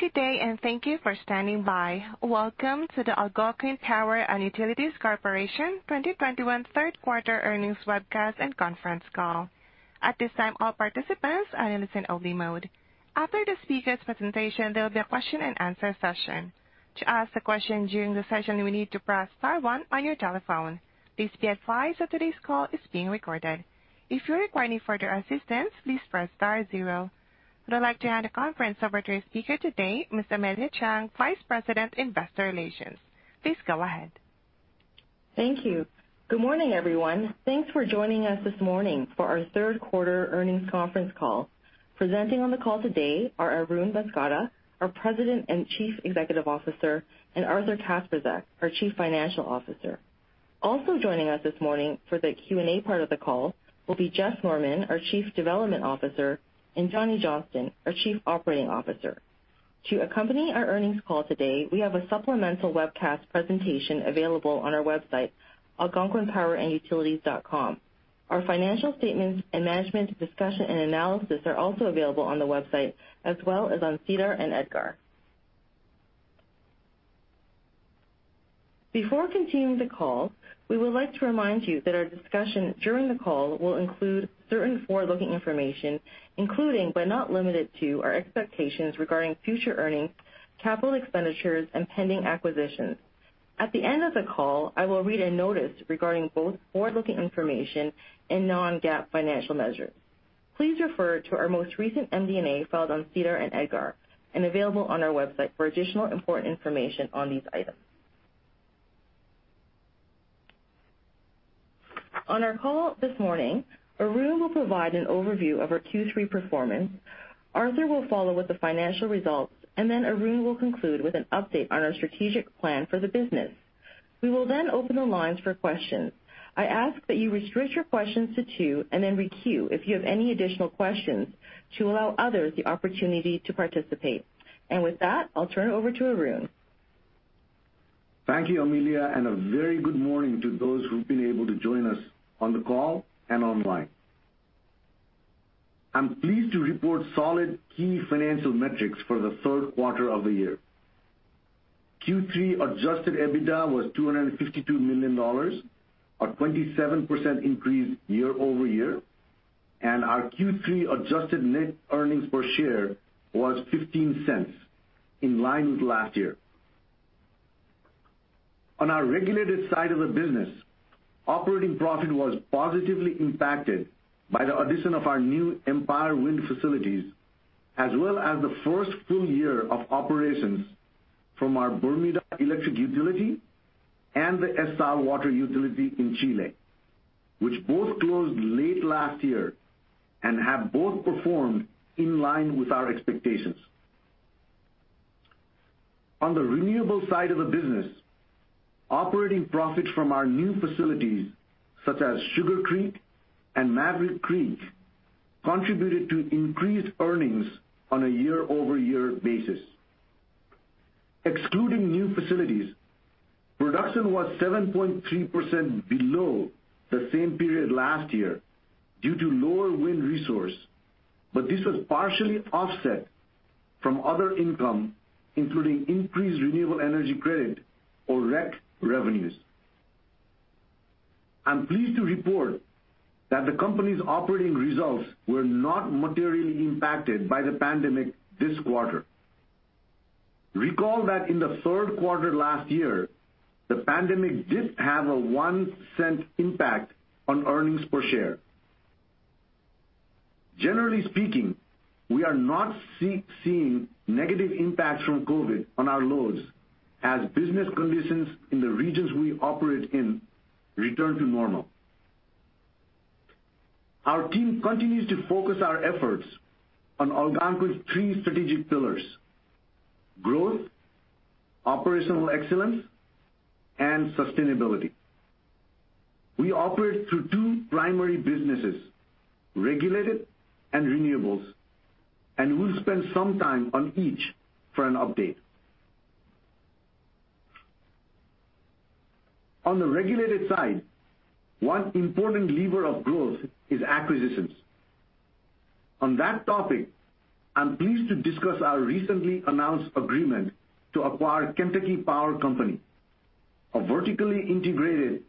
Good day, and thank you for standing by. Welcome to the Algonquin Power & Utilities Corp. 2021 third quarter earnings webcast and conference call. At this time, all participants are in listen only mode. After the speakers' presentation, there'll be a question-and-answer session. To ask a question during the session, you will need to press star one on your telephone. Please be advised that today's call is being recorded. If you require any further assistance, please press star zero. I'd like to hand the conference over to our speaker today, Miss Amelia Tsang, Vice President, Investor Relations. Please go ahead. Thank you. Good morning, everyone. Thanks for joining us this morning for our third quarter earnings conference call. Presenting on the call today are Arun Banskota, our President and Chief Executive Officer, and Arthur Kacprzak, our Chief Financial Officer. Also joining us this morning for the Q&A part of the call will be Jeff Norman, our Chief Development Officer, and Johnny Johnston, our Chief Operating Officer. To accompany our earnings call today, we have a supplemental webcast presentation available on our website, algonquinpowerandutilities.com. Our financial statements and management discussion and analysis are also available on the website as well as on SEDAR and EDGAR. Before continuing the call, we would like to remind you that our discussion during the call will include certain forward-looking information, including but not limited to our expectations regarding future earnings, capital expenditures, and pending acquisitions. At the end of the call, I will read a notice regarding both forward-looking information and non-GAAP financial measures. Please refer to our most recent MD&A filed on SEDAR and EDGAR and available on our website for additional important information on these items. On our call this morning, Arun will provide an overview of our Q3 performance. Arthur will follow with the financial results, and then Arun will conclude with an update on our strategic plan for the business. We will then open the lines for questions. I ask that you restrict your questions to two and then re-queue if you have any additional questions to allow others the opportunity to participate. With that, I'll turn it over to Arun. Thank you, Amelia, and a very good morning to those who've been able to join us on the call and online. I'm pleased to report solid key financial metrics for the third quarter of the year. Q3 adjusted EBITDA was $252 million, a 27% increase year-over-year, and our Q3 adjusted net earnings per share was $0.15, in line with last year. On our regulated side of the business, operating profit was positively impacted by the addition of our new Empire Wind facilities as well as the first full year of operations from our Bermuda electric utility and the ESSAL water utility in Chile, which both closed late last year and have both performed in line with our expectations. On the renewable side of the business, operating profit from our new facilities, such as Sugar Creek and Maverick Creek, contributed to increased earnings on a year-over-year basis. Excluding new facilities, production was 7.3% below the same period last year due to lower wind resource, but this was partially offset from other income, including increased renewable energy credit or REC revenues. I'm pleased to report that the company's operating results were not materially impacted by the pandemic this quarter. Recall that in the third quarter last year, the pandemic did have a $0.01 impact on earnings per share. Generally speaking, we are not seeing negative impacts from COVID on our loads as business conditions in the regions we operate in return to normal. Our team continues to focus our efforts on Algonquin's three strategic pillars, growth, operational excellence, and sustainability. We operate through two primary businesses, regulated and renewables, and we'll spend some time on each for an update. On the regulated side, one important lever of growth is acquisitions. On that topic, I'm pleased to discuss our recently announced agreement to acquire Kentucky Power Company, a vertically integrated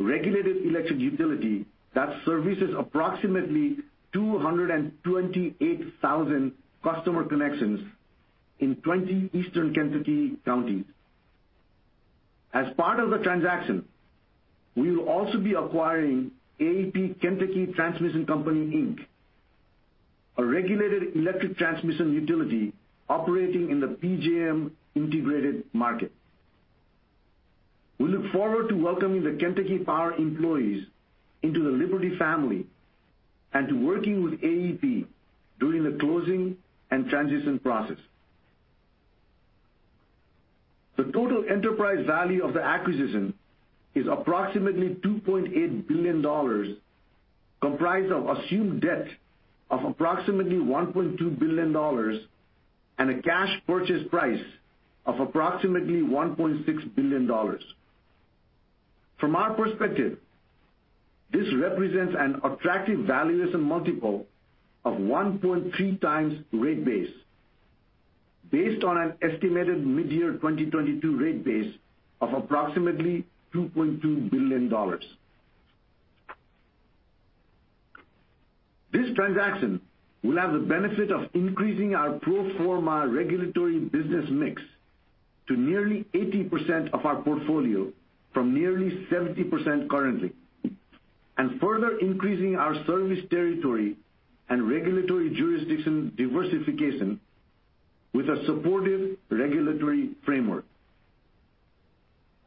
regulated electric utility that services approximately 228,000 customer connections in 20 eastern Kentucky counties. As part of the transaction, we will also be acquiring AEP Kentucky Transmission Company, Inc., a regulated electric transmission utility operating in the PJM integrated market. We look forward to welcoming the Kentucky Power employees into the Liberty family and to working with AEP during the closing and transition process. The total enterprise value of the acquisition is approximately $2.8 billion, comprised of assumed debt of approximately $1.2 billion and a cash purchase price of approximately $1.6 billion. From our perspective, this represents an attractive valuation multiple of 1.3x rate base based on an estimated midyear 2022 rate base of approximately $2.2 billion. This transaction will have the benefit of increasing our pro forma regulatory business mix to nearly 80% of our portfolio from nearly 70% currently, and further increasing our service territory and regulatory jurisdiction diversification with a supportive regulatory framework.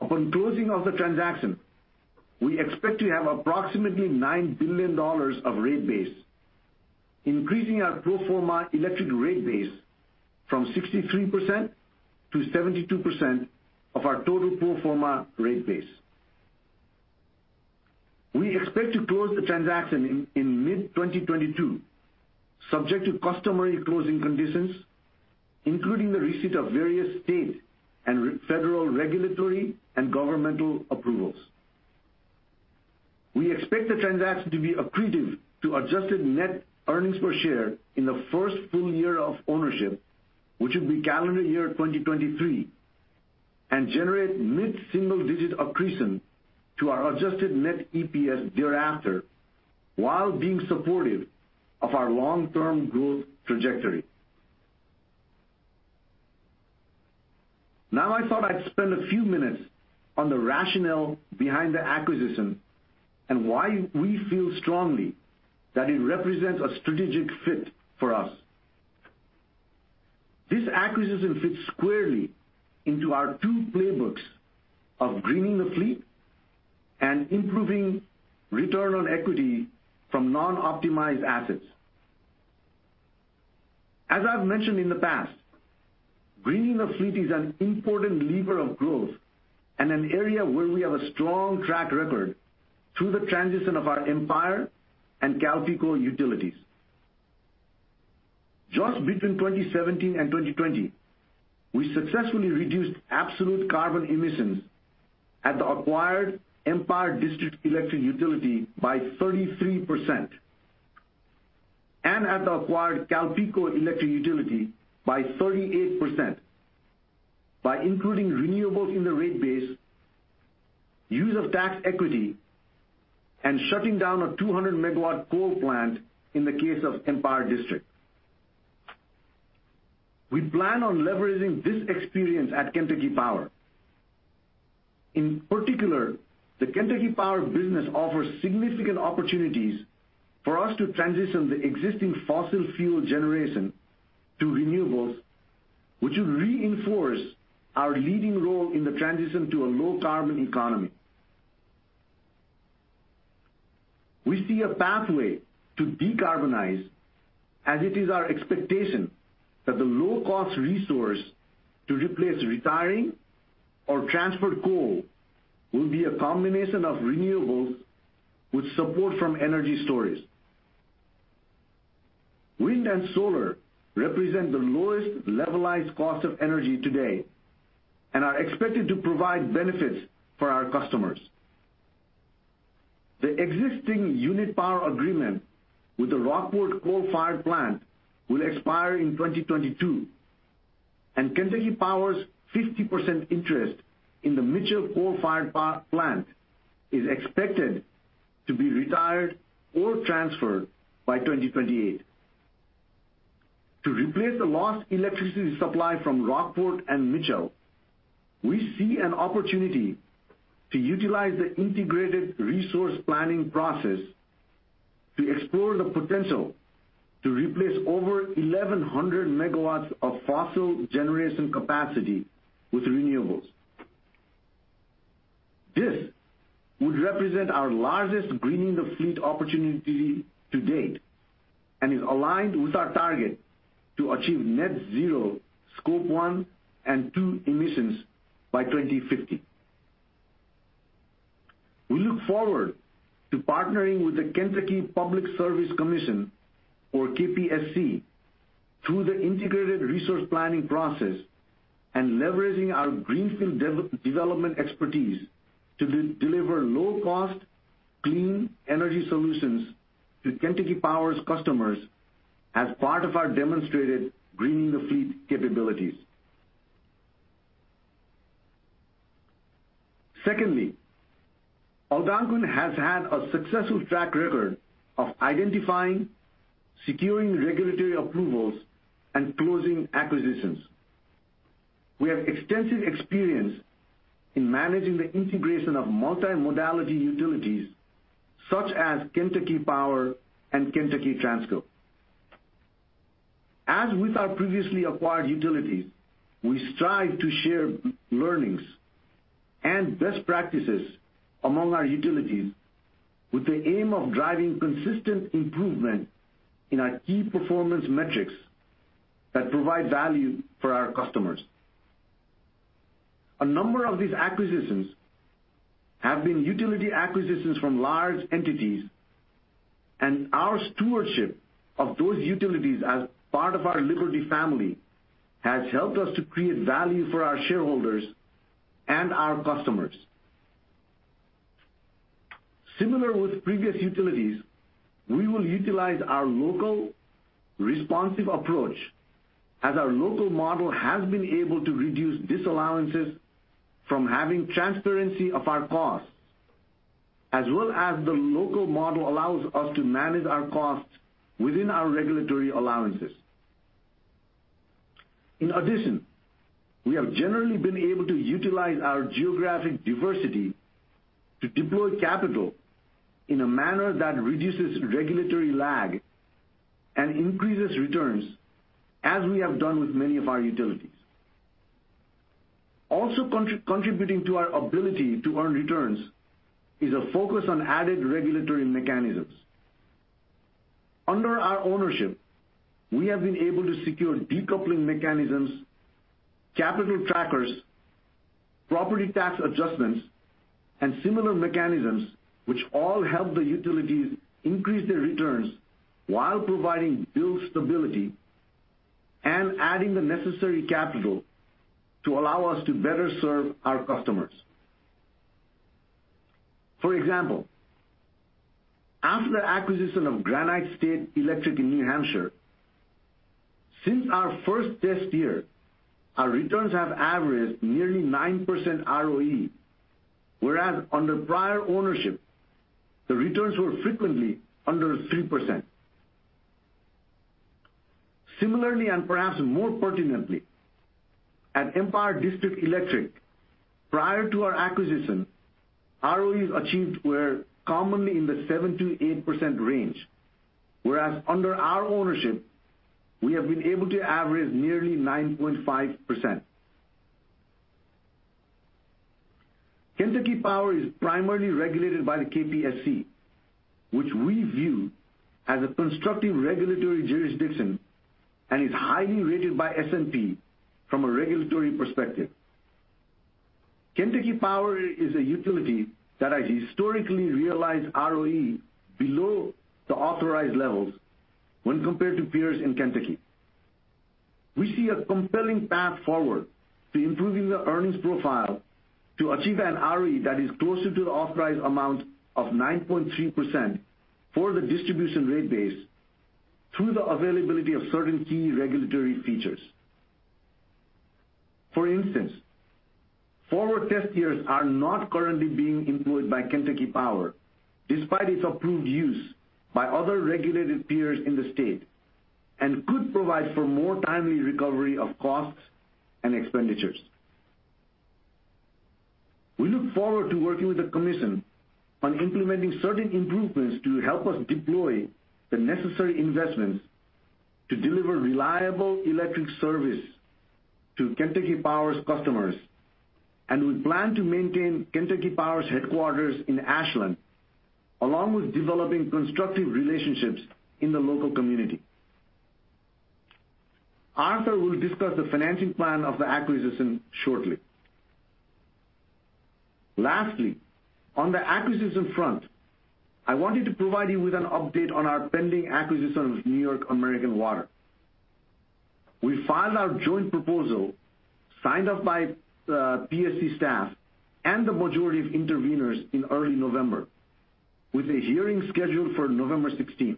Upon closing of the transaction, we expect to have approximately $9 billion of rate base, increasing our pro forma electric rate base from 63%-72% of our total pro forma rate base. We expect to close the transaction in mid-2022, subject to customary closing conditions, including the receipt of various state and federal regulatory and governmental approvals. We expect the transaction to be accretive to adjusted net earnings per share in the first full year of ownership, which would be calendar year 2023 and generate mid-single-digit accretion to our adjusted net EPS thereafter, while being supportive of our long-term growth trajectory. Now I thought I'd spend a few minutes on the rationale behind the acquisition and why we feel strongly that it represents a strategic fit for us. This acquisition fits squarely into our two playbooks of greening the fleet and improving return on equity from non-optimized assets. As I've mentioned in the past, greening the fleet is an important lever of growth and an area where we have a strong track record through the transition of our Empire and CalPeco utilities. Just between 2017 and 2020, we successfully reduced absolute carbon emissions at the acquired Empire District Electric utility by 33% and at the acquired CalPeco Electric utility by 38%, by including renewables in the rate base, use of tax equity and shutting down a 200 MW coal plant in the case of Empire District. We plan on leveraging this experience at Kentucky Power. In particular, the Kentucky Power business offers significant opportunities for us to transition the existing fossil fuel generation to renewables, which will reinforce our leading role in the transition to a low carbon economy. We see a pathway to decarbonize as it is our expectation that the low-cost resource to replace retiring or transferred coal will be a combination of renewables with support from energy storage. Wind and solar represent the lowest levelized cost of energy today and are expected to provide benefits for our customers. The existing unit power agreement with the Rockport Coal-Fired Plant will expire in 2022, and Kentucky Power's 50% interest in the Mitchell Coal-Fired Power Plant is expected to be retired or transferred by 2028. To replace the lost electricity supply from Rockport and Mitchell, we see an opportunity to utilize the integrated resource planning process to explore the potential to replace over 1,100 MW of fossil generation capacity with renewables. This would represent our largest Greening the Fleet opportunity to date and is aligned with our target to achieve net zero Scope 1 and 2 emissions by 2050. We look forward to partnering with the Kentucky Public Service Commission or KPSC through the integrated resource planning process and leveraging our greenfield development expertise to deliver low-cost clean energy solutions to Kentucky Power's customers as part of our demonstrated Greening the Fleet capabilities. Secondly, Algonquin has had a successful track record of identifying, securing regulatory approvals and closing acquisitions. We have extensive experience in managing the integration of multi-utility operations such as Kentucky Power and Kentucky Transco. As with our previously acquired utilities, we strive to share learnings and best practices among our utilities with the aim of driving consistent improvement in our key performance metrics that provide value for our customers. A number of these acquisitions have been utility acquisitions from large entities. Our stewardship of those utilities as part of our Liberty family has helped us to create value for our shareholders and our customers. Similar with previous utilities, we will utilize our local responsive approach as our local model has been able to reduce disallowances from having transparency of our costs, as well as the local model allows us to manage our costs within our regulatory allowances. In addition, we have generally been able to utilize our geographic diversity to deploy capital in a manner that reduces regulatory lag and increases returns, as we have done with many of our utilities. Also contributing to our ability to earn returns is a focus on added regulatory mechanisms. Under our ownership, we have been able to secure decoupling mechanisms, capital trackers, property tax adjustments and similar mechanisms which all help the utilities increase their returns while providing bill stability and adding the necessary capital to allow us to better serve our customers. For example, after the acquisition of Granite State Electric in New Hampshire, since our first test year, our returns have averaged nearly 9% ROE, whereas under prior ownership the returns were frequently under 3%. Similarly, and perhaps more pertinently, at Empire District Electric, prior to our acquisition, ROEs achieved were commonly in the 7%-8% range, whereas under our ownership we have been able to average nearly 9.5%. Kentucky Power is primarily regulated by the KPSC, which we view as a constructive regulatory jurisdiction and is highly rated by S&P from a regulatory perspective. Kentucky Power is a utility that has historically realized ROE below the authorized levels when compared to peers in Kentucky. We see a compelling path forward to improving the earnings profile to achieve an ROE that is closer to the authorized amount of 9.3% for the distribution rate base through the availability of certain key regulatory features. For instance, forward test years are not currently being employed by Kentucky Power despite its approved use by other regulated peers in the state and could provide for more timely recovery of costs and expenditures. We look forward to working with the commission on implementing certain improvements to help us deploy the necessary investments to deliver reliable electric service to Kentucky Power's customers. We plan to maintain Kentucky Power's headquarters in Ashland, along with developing constructive relationships in the local community. Arthur Kacprzak will discuss the financing plan of the acquisition shortly. Lastly, on the acquisition front, I wanted to provide you with an update on our pending acquisition of New York American Water. We filed our joint proposal signed off by PSC staff and the majority of interveners in early November, with a hearing scheduled for November 16.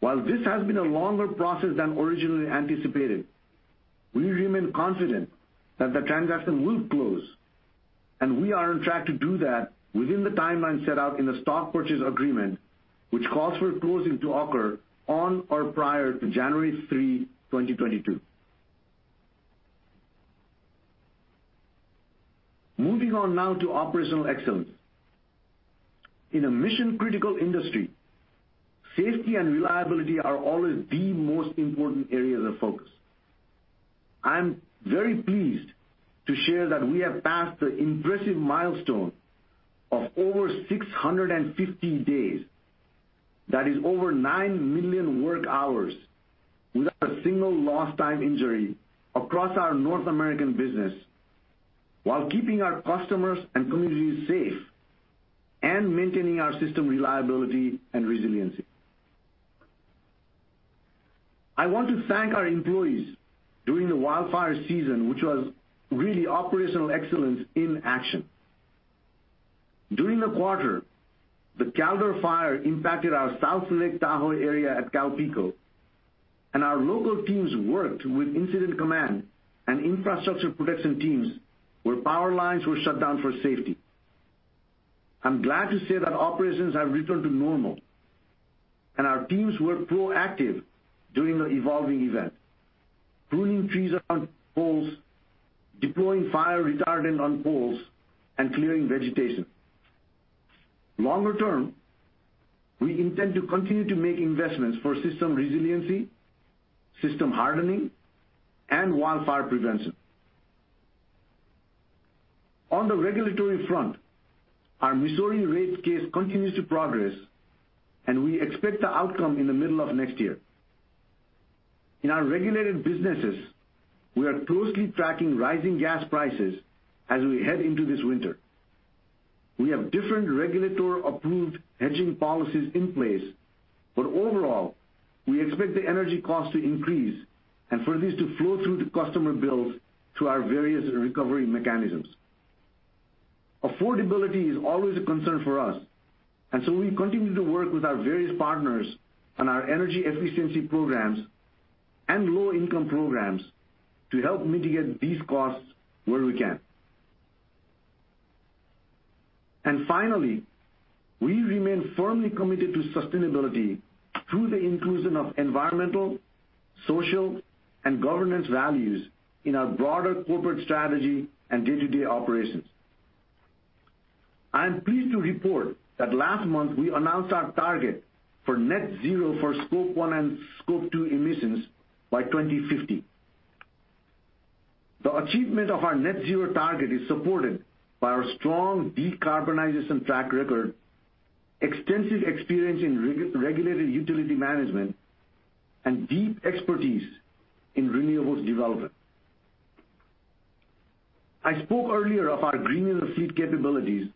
While this has been a longer process than originally anticipated, we remain confident that the transaction will close and we are on track to do that within the timeline set out in the stock purchase agreement, which calls for closing to occur on or prior to January 3, 2022. Moving on now to operational excellence. In a mission-critical industry, safety and reliability are always the most important areas of focus. I'm very pleased to share that we have passed the impressive milestone of over 650 days. That is over 9 million work hours without a single lost time injury across our North American business while keeping our customers and communities safe and maintaining our system reliability and resiliency. I want to thank our employees during the wildfire season, which was really operational excellence in action. During the quarter, the Caldor Fire impacted our South Lake Tahoe area at CalPeco and our local teams worked with incident command and infrastructure protection teams where power lines were shut down for safety. I'm glad to say that operations have returned to normal and our teams were proactive during the evolving event, pruning trees around poles, deploying fire retardant on poles, and clearing vegetation. Longer term, we intend to continue to make investments for system resiliency, system hardening, and wildfire prevention. On the regulatory front, our Missouri rate case continues to progress and we expect the outcome in the middle of next year. In our regulated businesses, we are closely tracking rising gas prices as we head into this winter. We have different regulatory-approved hedging policies in place, but overall, we expect the energy cost to increase and for this to flow through the customer bills through our various recovery mechanisms. Affordability is always a concern for us, and so we continue to work with our various partners on our energy efficiency programs and low-income programs to help mitigate these costs where we can. Finally, we remain firmly committed to sustainability through the inclusion of environmental, social, and governance values in our broader corporate strategy and day-to-day operations. I am pleased to report that last month we announced our target for net zero for Scope 1 and Scope 2 emissions by 2050. The achievement of our net zero target is supported by our strong decarbonization track record, extensive experience in regulated utility management, and deep expertise in renewables development. I spoke earlier of our Greening the Fleet capabilities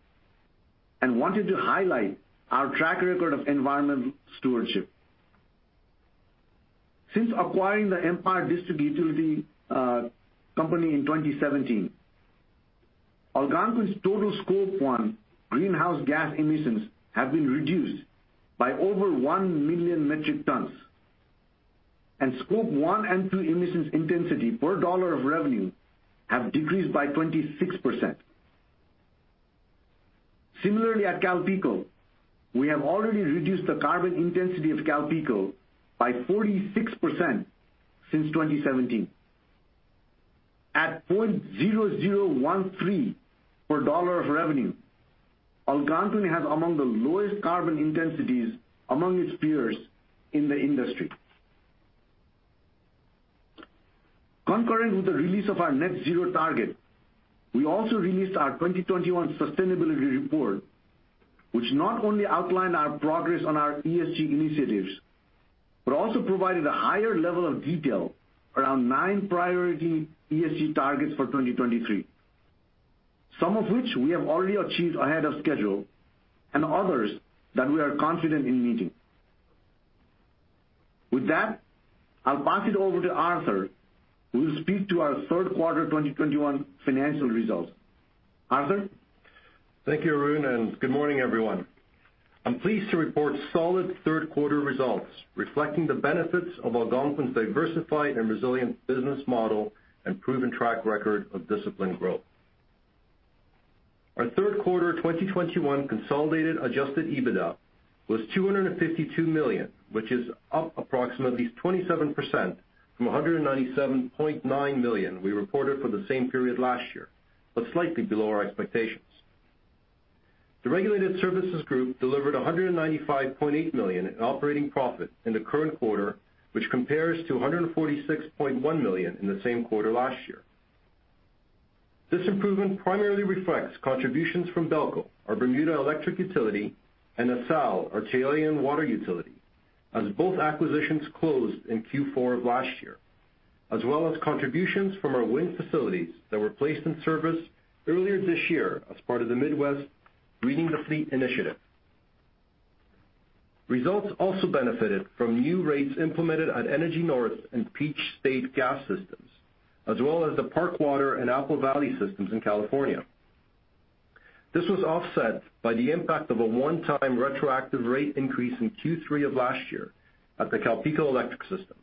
and wanted to highlight our track record of environmental stewardship. Since acquiring the Empire District Company in 2017, Algonquin's total Scope 1 greenhouse gas emissions have been reduced by over 1 million metric tons, and Scope 1 and 2 emissions intensity per dollar of revenue have decreased by 26%. Similarly, at CalPeco, we have already reduced the carbon intensity of CalPeco by 46% since 2017. At 0.0013 per dollar of revenue, Algonquin has among the lowest carbon intensities among its peers in the industry. Concurrent with the release of our net zero target, we also released our 2021 sustainability report, which not only outlined our progress on our ESG initiatives, but also provided a higher level of detail around nine priority ESG targets for 2023, some of which we have already achieved ahead of schedule and others that we are confident in meeting. With that, I'll pass it over to Arthur, who will speak to our third quarter 2021 financial results. Arthur? Thank you, Arun, and good morning, everyone. I'm pleased to report solid third quarter results reflecting the benefits of Algonquin's diversified and resilient business model and proven track record of disciplined growth. Our third quarter 2021 consolidated adjusted EBITDA was $252 million, which is up approximately 27% from $197.9 million we reported for the same period last year, but slightly below our expectations. The Regulated Services Group delivered $195.8 million in operating profit in the current quarter, which compares to $146.1 million in the same quarter last year. This improvement primarily reflects contributions from BELCO, our Bermuda electric utility, and ESSAL, our Chilean water utility, as both acquisitions closed in Q4 of last year, as well as contributions from our wind facilities that were placed in service earlier this year as part of the Midwest Greening the Fleet initiative. Results also benefited from new rates implemented at Energy North and Peach State Gas, as well as the Park Water and Apple Valley systems in California. This was offset by the impact of a one-time retroactive rate increase in Q3 of last year at the CalPeco Electric system.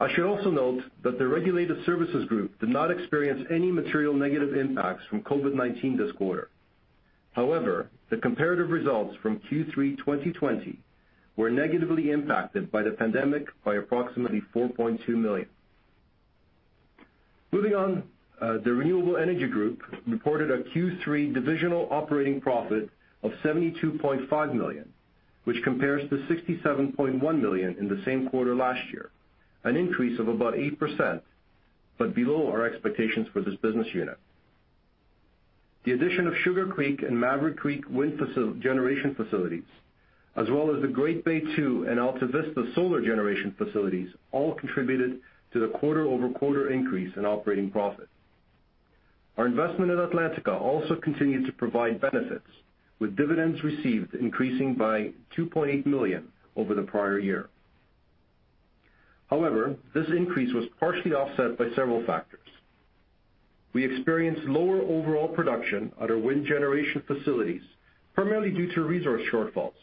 I should also note that the Regulated Services Group did not experience any material negative impacts from COVID-19 this quarter. However, the comparative results from Q3 2020 were negatively impacted by the pandemic by approximately $4.2 million. Moving on, the Renewable Energy Group reported a Q3 divisional operating profit of $72.5 million, which compares to $67.1 million in the same quarter last year, an increase of about 8%, but below our expectations for this business unit. The addition of Sugar Creek and Maverick Creek wind generation facilities, as well as the Great Bay II and Altavista Solar solar generation facilities, all contributed to the quarter-over-quarter increase in operating profit. Our investment in Atlantica also continued to provide benefits, with dividends received increasing by $2.8 million over the prior year. However, this increase was partially offset by several factors. We experienced lower overall production at our wind generation facilities, primarily due to resource shortfalls.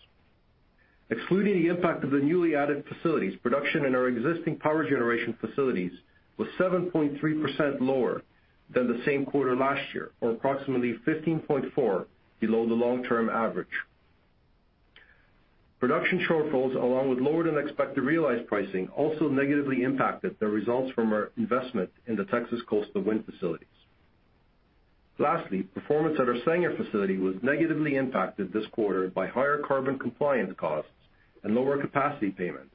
Excluding the impact of the newly added facilities, production in our existing power generation facilities was 7.3% lower than the same quarter last year, or approximately 15.4% below the long-term average. Production shortfalls along with lower-than-expected realized pricing also negatively impacted the results from our investment in the Texas Coastal Wind Facilities. Lastly, performance at our Sanger facility was negatively impacted this quarter by higher carbon compliance costs and lower capacity payments.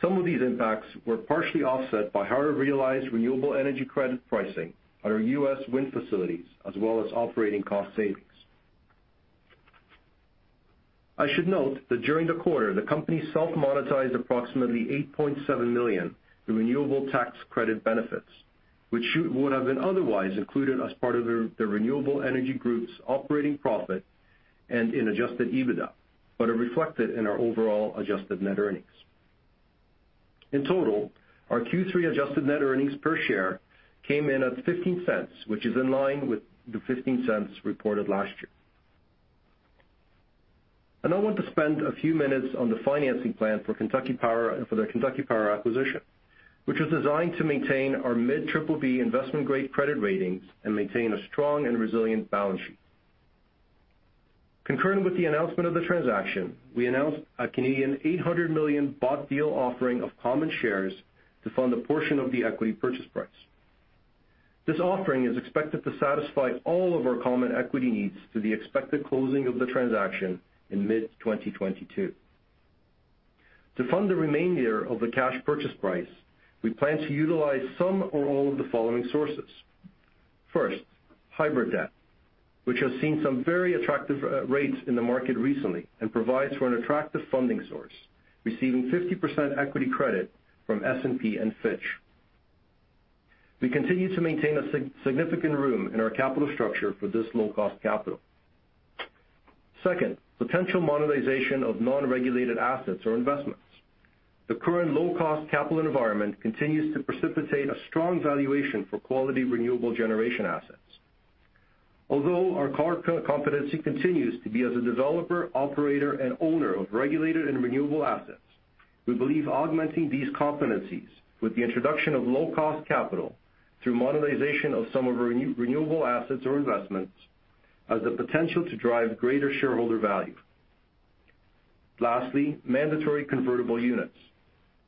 Some of these impacts were partially offset by higher realized renewable energy credit pricing at our U.S. wind facilities, as well as operating cost savings. I should note that during the quarter, the company self-monetized approximately $8.7 million in renewable tax credit benefits, which would have been otherwise included as part of the Renewable Energy Group's operating profit and in adjusted EBITDA, but are reflected in our overall adjusted net earnings. In total, our Q3 adjusted net earnings per share came in at $0.15, which is in line with the $0.15 reported last year. I want to spend a few minutes on the financing plan for the Kentucky Power acquisition, which was designed to maintain our mid-triple-B investment-grade credit ratings and maintain a strong and resilient balance sheet. Concurrent with the announcement of the transaction, we announced a 800 million Canadian dollars bought deal offering of common shares to fund a portion of the equity purchase price. This offering is expected to satisfy all of our common equity needs through the expected closing of the transaction in mid-2022. To fund the remainder of the cash purchase price, we plan to utilize some or all of the following sources. First, hybrid debt, which has seen some very attractive rates in the market recently and provides for an attractive funding source, receiving 50% equity credit from S&P and Fitch. We continue to maintain a significant room in our capital structure for this low-cost capital. Second, potential monetization of non-regulated assets or investments. The current low-cost capital environment continues to precipitate a strong valuation for quality renewable generation assets. Although our core competency continues to be as a developer, operator, and owner of regulated and renewable assets, we believe augmenting these competencies with the introduction of low-cost capital through monetization of some of our renewable assets or investments has the potential to drive greater shareholder value. Lastly, mandatory convertible units.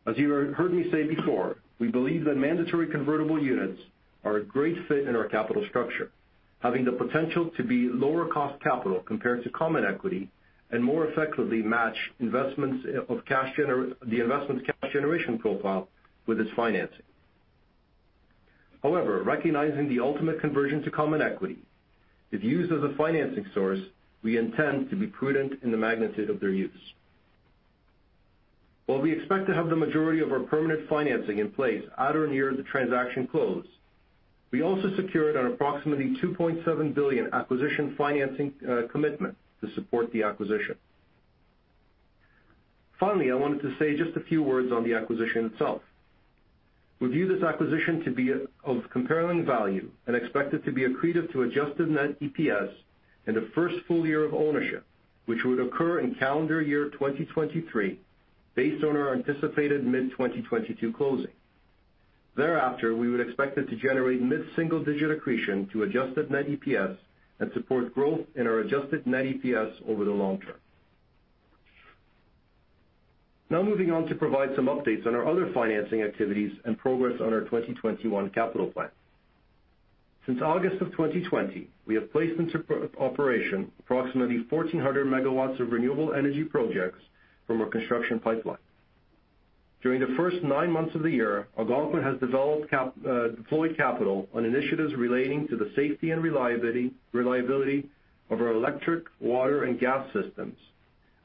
As you have heard me say before, we believe that mandatory convertible units are a great fit in our capital structure, having the potential to be lower cost capital compared to common equity and more effectively match the investment's cash generation profile with its financing. However, recognizing the ultimate conversion to common equity, if used as a financing source, we intend to be prudent in the magnitude of their use. While we expect to have the majority of our permanent financing in place at or near the transaction close, we also secured an approximately $2.7 billion acquisition financing commitment to support the acquisition. Finally, I wanted to say just a few words on the acquisition itself. We view this acquisition to be of compelling value and expect it to be accretive to adjusted net EPS in the first full year of ownership, which would occur in calendar year 2023, based on our anticipated mid-2022 closing. Thereafter, we would expect it to generate mid-single-digit accretion to adjusted net EPS and support growth in our adjusted net EPS over the long term. Now moving on to provide some updates on our other financing activities and progress on our 2021 capital plan. Since August 2020, we have placed into operation approximately 1,400 MW of renewable energy projects from our construction pipeline. During the first nine months of the year, Algonquin has deployed capital on initiatives relating to the safety and reliability of our electric, water, and gas systems,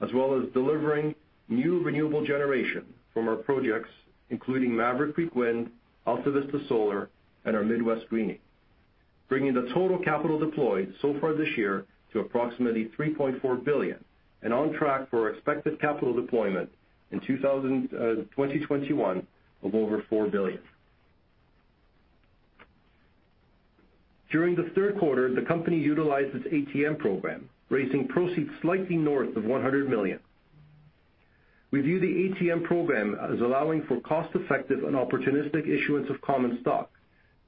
as well as delivering new renewable generation from our projects, including Maverick Creek Wind, Altavista Solar, and our Midwest Greening the Fleet, bringing the total capital deployed so far this year to approximately $3.4 billion and on track for our expected capital deployment in 2021 of over $4 billion. During the third quarter, the company utilized its ATM program, raising proceeds slightly north of $100 million. We view the ATM program as allowing for cost-effective and opportunistic issuance of common stock,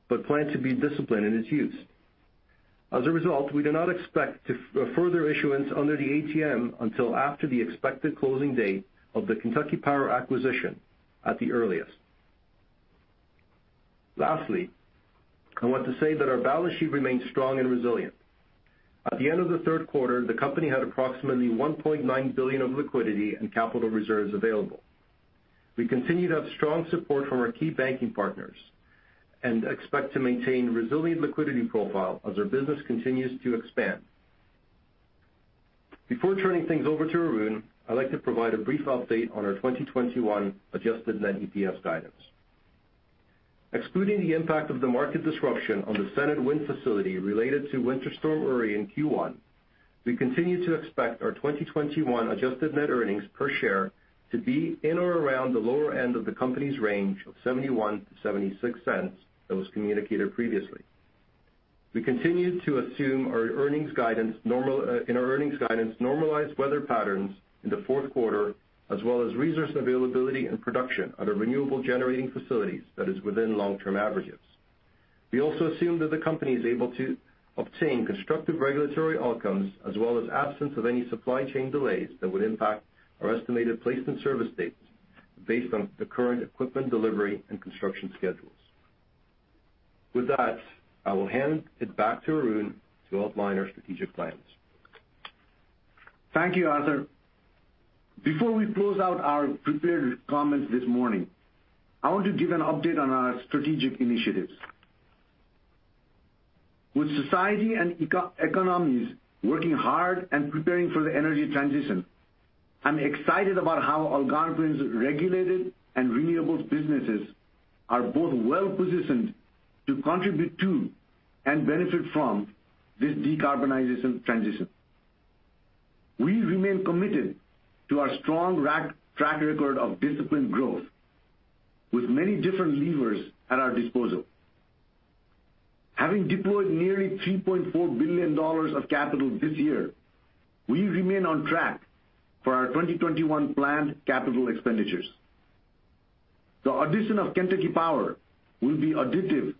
but plan to be disciplined in its use. As a result, we do not expect to further issuance under the ATM until after the expected closing date of the Kentucky Power acquisition at the earliest. Lastly, I want to say that our balance sheet remains strong and resilient. At the end of the third quarter, the company had approximately $1.9 billion of liquidity and capital reserves available. We continue to have strong support from our key banking partners and expect to maintain resilient liquidity profile as our business continues to expand. Before turning things over to Arun, I'd like to provide a brief update on our 2021 adjusted net EPS guidance. Excluding the impact of the market disruption on the Senate Wind facility related to Winter Storm Uri in Q1, we continue to expect our 2021 adjusted net earnings per share to be in or around the lower end of the company's range of $0.71-$0.76 that was communicated previously. We continue to assume, in our earnings guidance, normalized weather patterns in the fourth quarter, as well as resource availability and production at our renewable generating facilities that is within long-term averages. We also assume that the company is able to obtain constructive regulatory outcomes as well as absence of any supply chain delays that would impact our estimated place-in-service dates based on the current equipment delivery and construction schedules. With that, I will hand it back to Arun to outline our strategic plans. Thank you, Arthur. Before we close out our prepared comments this morning, I want to give an update on our strategic initiatives. With society and economies working hard and preparing for the energy transition, I'm excited about how Algonquin's regulated and renewables businesses are both well-positioned to contribute to and benefit from this decarbonization transition. We remain committed to our strong track record of disciplined growth with many different levers at our disposal. Having deployed nearly $3.4 billion of capital this year, we remain on track for our 2021 planned capital expenditures. The addition of Kentucky Power will be additive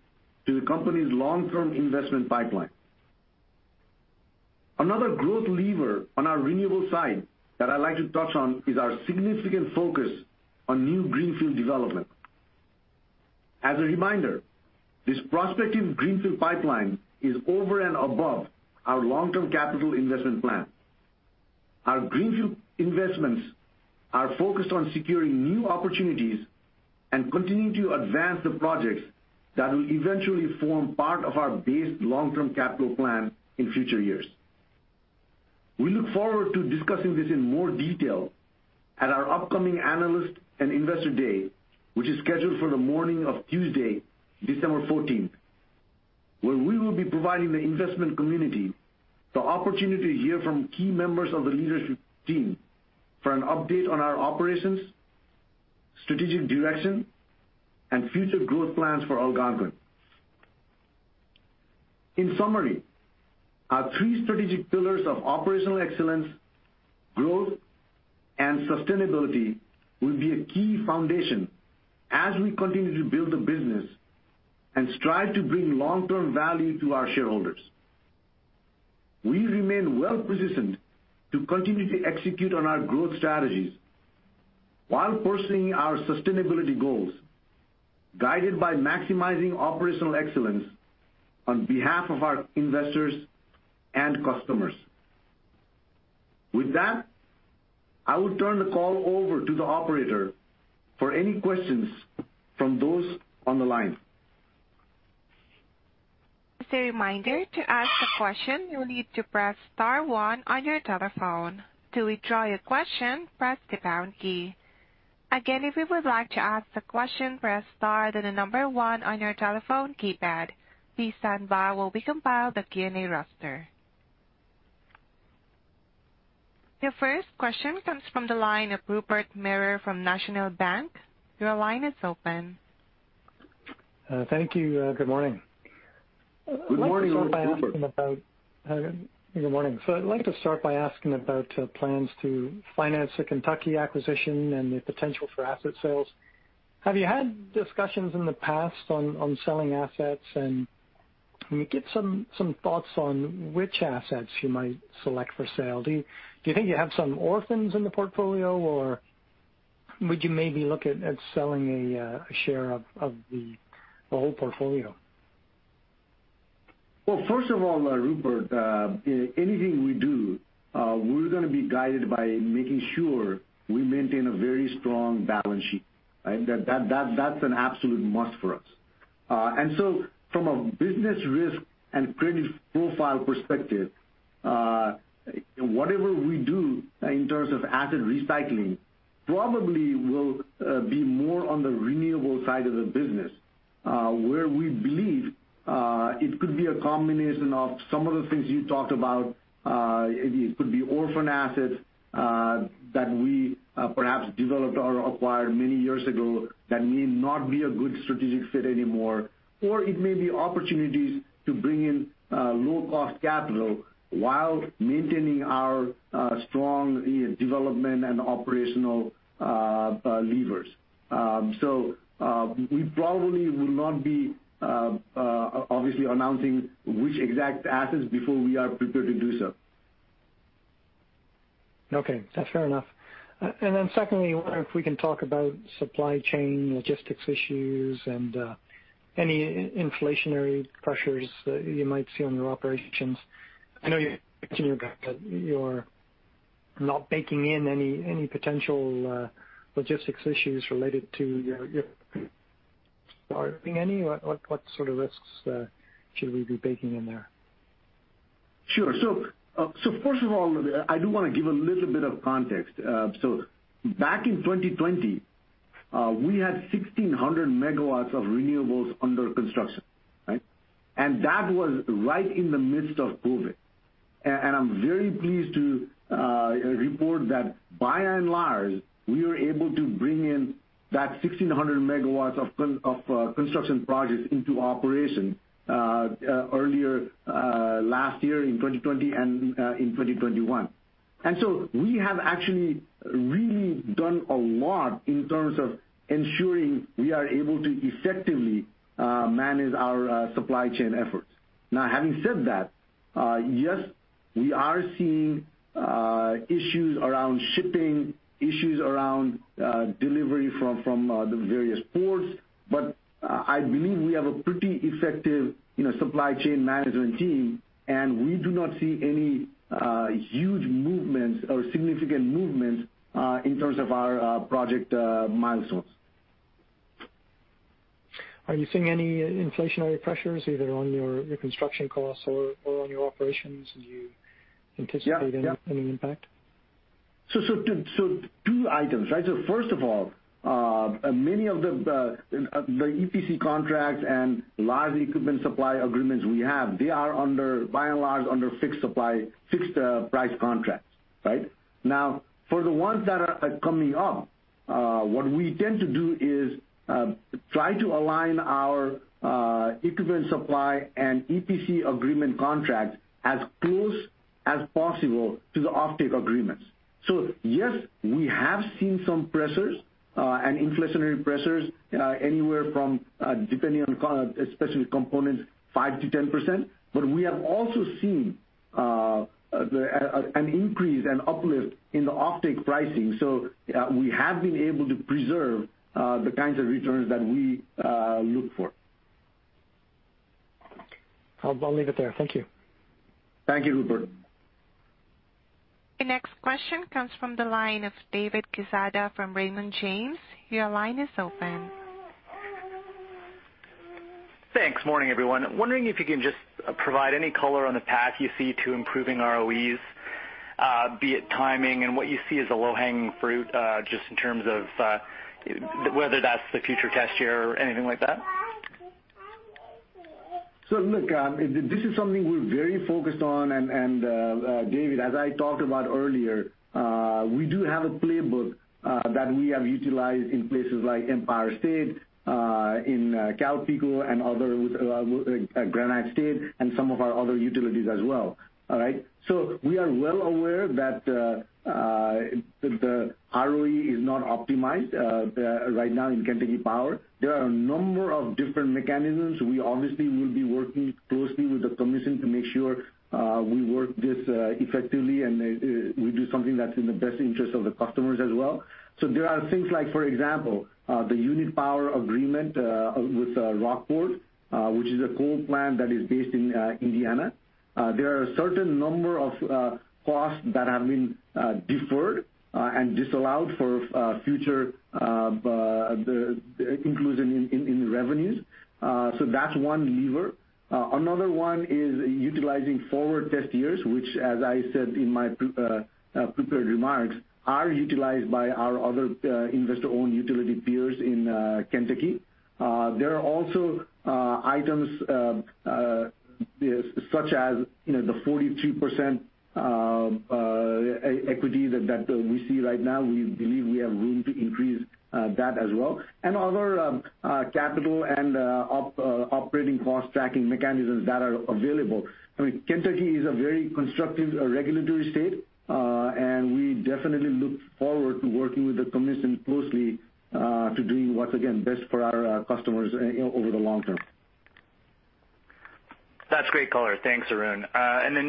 to the company's long-term investment pipeline. Another growth lever on our renewable side that I'd like to touch on is our significant focus on new greenfield development. As a reminder, this prospective greenfield pipeline is over and above our long-term capital investment plan. Our greenfield investments are focused on securing new opportunities and continuing to advance the projects that will eventually form part of our base long-term capital plan in future years. We look forward to discussing this in more detail at our upcoming Analyst and Investor Day, which is scheduled for the morning of Tuesday, December 14th, where we will be providing the investment community the opportunity to hear from key members of the leadership team for an update on our operations, strategic direction, and future growth plans for Algonquin. In summary, our three strategic pillars of operational excellence, growth, and sustainability will be a key foundation as we continue to build the business and strive to bring long-term value to our shareholders. We remain well-positioned to continue to execute on our growth strategies while pursuing our sustainability goals, guided by maximizing operational excellence on behalf of our investors and customers. With that, I will turn the call over to the operator for any questions from those on the line. As a reminder, to ask a question, you'll need to press star one on your telephone. To withdraw your question, press the pound key. Again, if you would like to ask the question, press star, then the number one on your telephone keypad. Please stand by while we compile the Q&A roster. Your first question comes from the line of Rupert Merer from National Bank. Your line is open. Thank you. Good morning. Good morning, Rupert. I'd like to start by asking about plans to finance the Kentucky acquisition and the potential for asset sales. Have you had discussions in the past on selling assets? Can we get some thoughts on which assets you might select for sale? Do you think you have some orphans in the portfolio, or would you maybe look at selling a share of the whole portfolio? Well, first of all, Rupert, anything we do, we're gonna be guided by making sure we maintain a very strong balance sheet, right? That's an absolute must for us. From a business risk and credit profile perspective, whatever we do in terms of asset recycling probably will be more on the renewable side of the business, where we believe it could be a combination of some of the things you talked about. It could be orphan assets that we perhaps developed or acquired many years ago that may not be a good strategic fit anymore. Or it may be opportunities to bring in low-cost capital while maintaining our strong development and operational levers. We probably will not be obviously announcing which exact assets before we are prepared to do so. Okay, that's fair enough. Secondly, I wonder if we can talk about supply chain logistics issues and any inflationary pressures that you might see on your operations. I know you mentioned in your deck that you're not baking in any potential logistics issues related to your. What sort of risks should we be baking in there? Sure. First of all, I do wanna give a little bit of context. Back in 2020, we had 1,600 MW of renewables under construction, right? That was right in the midst of COVID. I'm very pleased to report that by and large, we were able to bring in that 1,600 MW of construction projects into operation earlier last year in 2020 and in 2021. We have actually really done a lot in terms of ensuring we are able to effectively manage our supply chain efforts. Now, having said that, yes, we are seeing issues around shipping, issues around delivery from the various ports, but I believe we have a pretty effective, you know, supply chain management team, and we do not see any huge movements or significant movements in terms of our project milestones. Are you seeing any inflationary pressures either on your construction costs or on your operations? Do you anticipate- Yeah. any impact? Two items, right? First of all, many of the EPC contracts and large equipment supply agreements we have, they are under, by and large, under fixed supply, fixed price contracts, right? Now, for the ones that are coming up, what we tend to do is try to align our equipment supply and EPC agreement contracts as close as possible to the offtake agreements. Yes, we have seen some pressures and inflationary pressures anywhere from, depending on kind of especially components, 5%-10%, but we have also seen an increase and uplift in the offtake pricing. We have been able to preserve the kinds of returns that we look for. I'll leave it there. Thank you. Thank you, Rupert. The next question comes from the line of David Quezada from Raymond James. Your line is open. Thanks. Morning, everyone. Wondering if you can just provide any color on the path you see to improving ROE, be it timing and what you see as a low-hanging fruit, just in terms of whether that's the future test year or anything like that? Look, this is something we're very focused on and David, as I talked about earlier, we do have a playbook that we have utilized in places like Empire State, in CalPeco and other Granite State and some of our other utilities as well. All right. We are well aware that the ROE is not optimized right now in Kentucky Power. There are a number of different mechanisms. We obviously will be working closely with the commission to make sure we work this effectively, and we do something that's in the best interest of the customers as well. There are things like, for example, the unit power agreement with Rockport, which is a coal plant that is based in Indiana. There are a certain number of costs that have been deferred and disallowed for future inclusion in revenues. So that's one lever. Another one is utilizing forward test years, which as I said in my prepared remarks, are utilized by our other investor-owned utility peers in Kentucky. There are also items such as, you know, the 43% equity that we see right now. We believe we have room to increase that as well. Other capital and operating cost tracking mechanisms that are available. I mean, Kentucky is a very constructive regulatory state, and we definitely look forward to working with the commission closely to doing what's, again, best for our customers over the long term. That's great color. Thanks, Arun.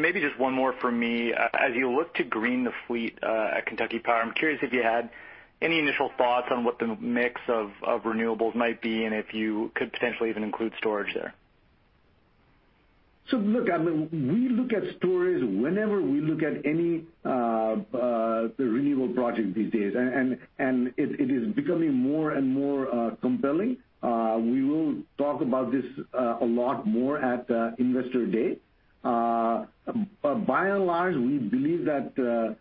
Maybe just one more for me. As you look to green the fleet at Kentucky Power, I'm curious if you had any initial thoughts on what the mix of renewables might be and if you could potentially even include storage there. Look, I mean, we look at storage whenever we look at any renewable project these days. It is becoming more and more compelling. We will talk about this a lot more at Investor Day. By and large, we believe that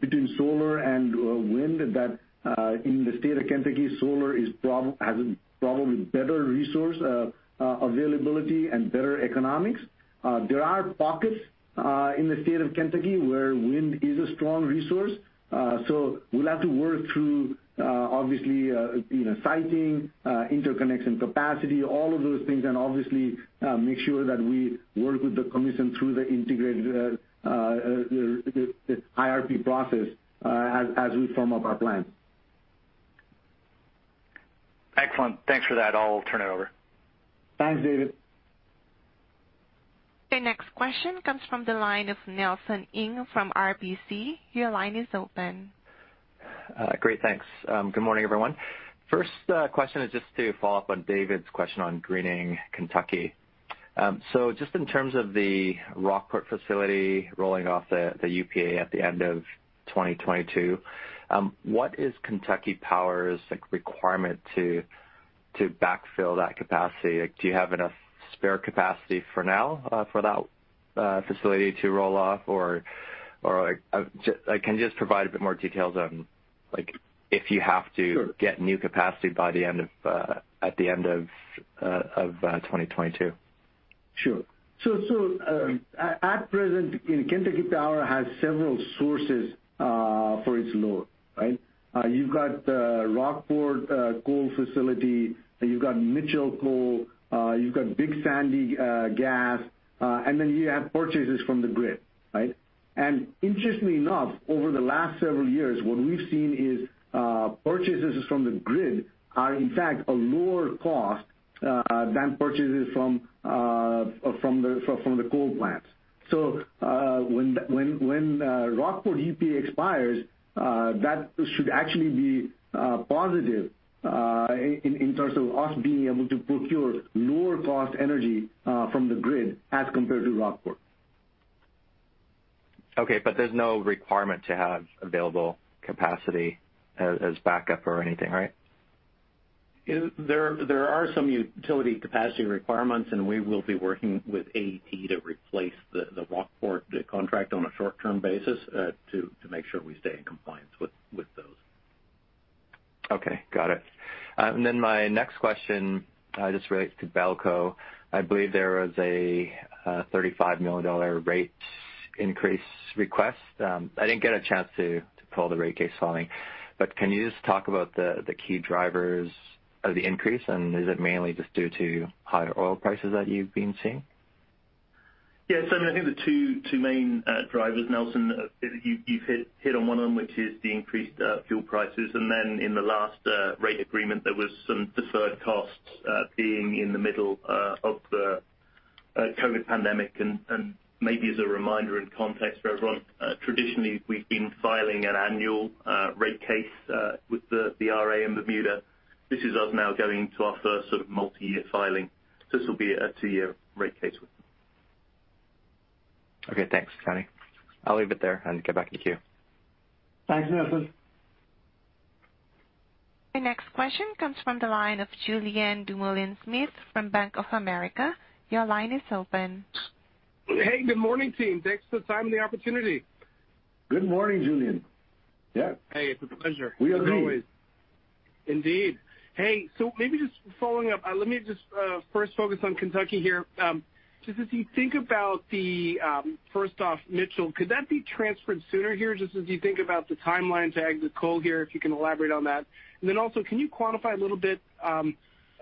between solar and wind, in the state of Kentucky, solar probably has a better resource availability and better economics. There are pockets in the state of Kentucky where wind is a strong resource. We'll have to work through obviously, you know, siting, interconnection capacity, all of those things, and obviously make sure that we work with the commission through the integrated IRP process as we firm up our plans. Excellent. Thanks for that. I'll turn it over. Thanks, David. The next question comes from the line of Nelson Ng from RBC. Your line is open. Great. Thanks. Good morning, everyone. First question is just to follow up on David's question on greening Kentucky. So just in terms of the Rockport facility rolling off the UPA at the end of 2022, what is Kentucky Power's requirement to backfill that capacity? Like do you have enough spare capacity for now for that facility to roll off? Or can you just provide a bit more details on like if you have to- Sure get new capacity by the end of 2022? Sure. At present, Kentucky Power has several sources for its load, right? You've got Rockport coal facility, you've got Mitchell Coal, you've got Big Sandy Gas, and then you have purchases from the grid, right? Interestingly enough, over the last several years, what we've seen is purchases from the grid are in fact a lower cost than purchases from the coal plants. When that Rockport UPA expires, that should actually be positive in terms of us being able to procure lower cost energy from the grid as compared to Rockport. Okay, there's no requirement to have available capacity as backup or anything, right? There are some utility capacity requirements, and we will be working with AEP to replace the Rockport contract on a short-term basis to make sure we stay in compliance with those. Okay. Got it. My next question just relates to Belco. I believe there was a $35 million rate increase request. I didn't get a chance to pull the rate case filing. Can you just talk about the key drivers of the increase, and is it mainly just due to higher oil prices that you've been seeing? Yes. I mean, I think the two main drivers, Nelson, you've hit on one of them, which is the increased fuel prices. In the last rate agreement, there was some deferred costs being in the middle of the COVID pandemic. Maybe as a reminder and context for everyone, traditionally we've been filing an annual rate case with the RA in Bermuda. This is us now going to our first sort of multi-year filing. This will be a two-year rate case with them. Okay, thanks, Johnny. I'll leave it there and get back in the queue. Thanks, Nelson. The next question comes from the line of Julien Dumoulin-Smith from Bank of America. Your line is open. Hey, good morning, team. Thanks for the time and the opportunity. Good morning, Julien. Yeah. Hey, it's a pleasure. We agree. As always. Indeed. Hey, so maybe just following up, let me just first focus on Kentucky here. Just as you think about the first off, Mitchell, could that be transferred sooner here just as you think about the timeline to exit coal here, if you can elaborate on that. Then also, can you quantify a little bit, I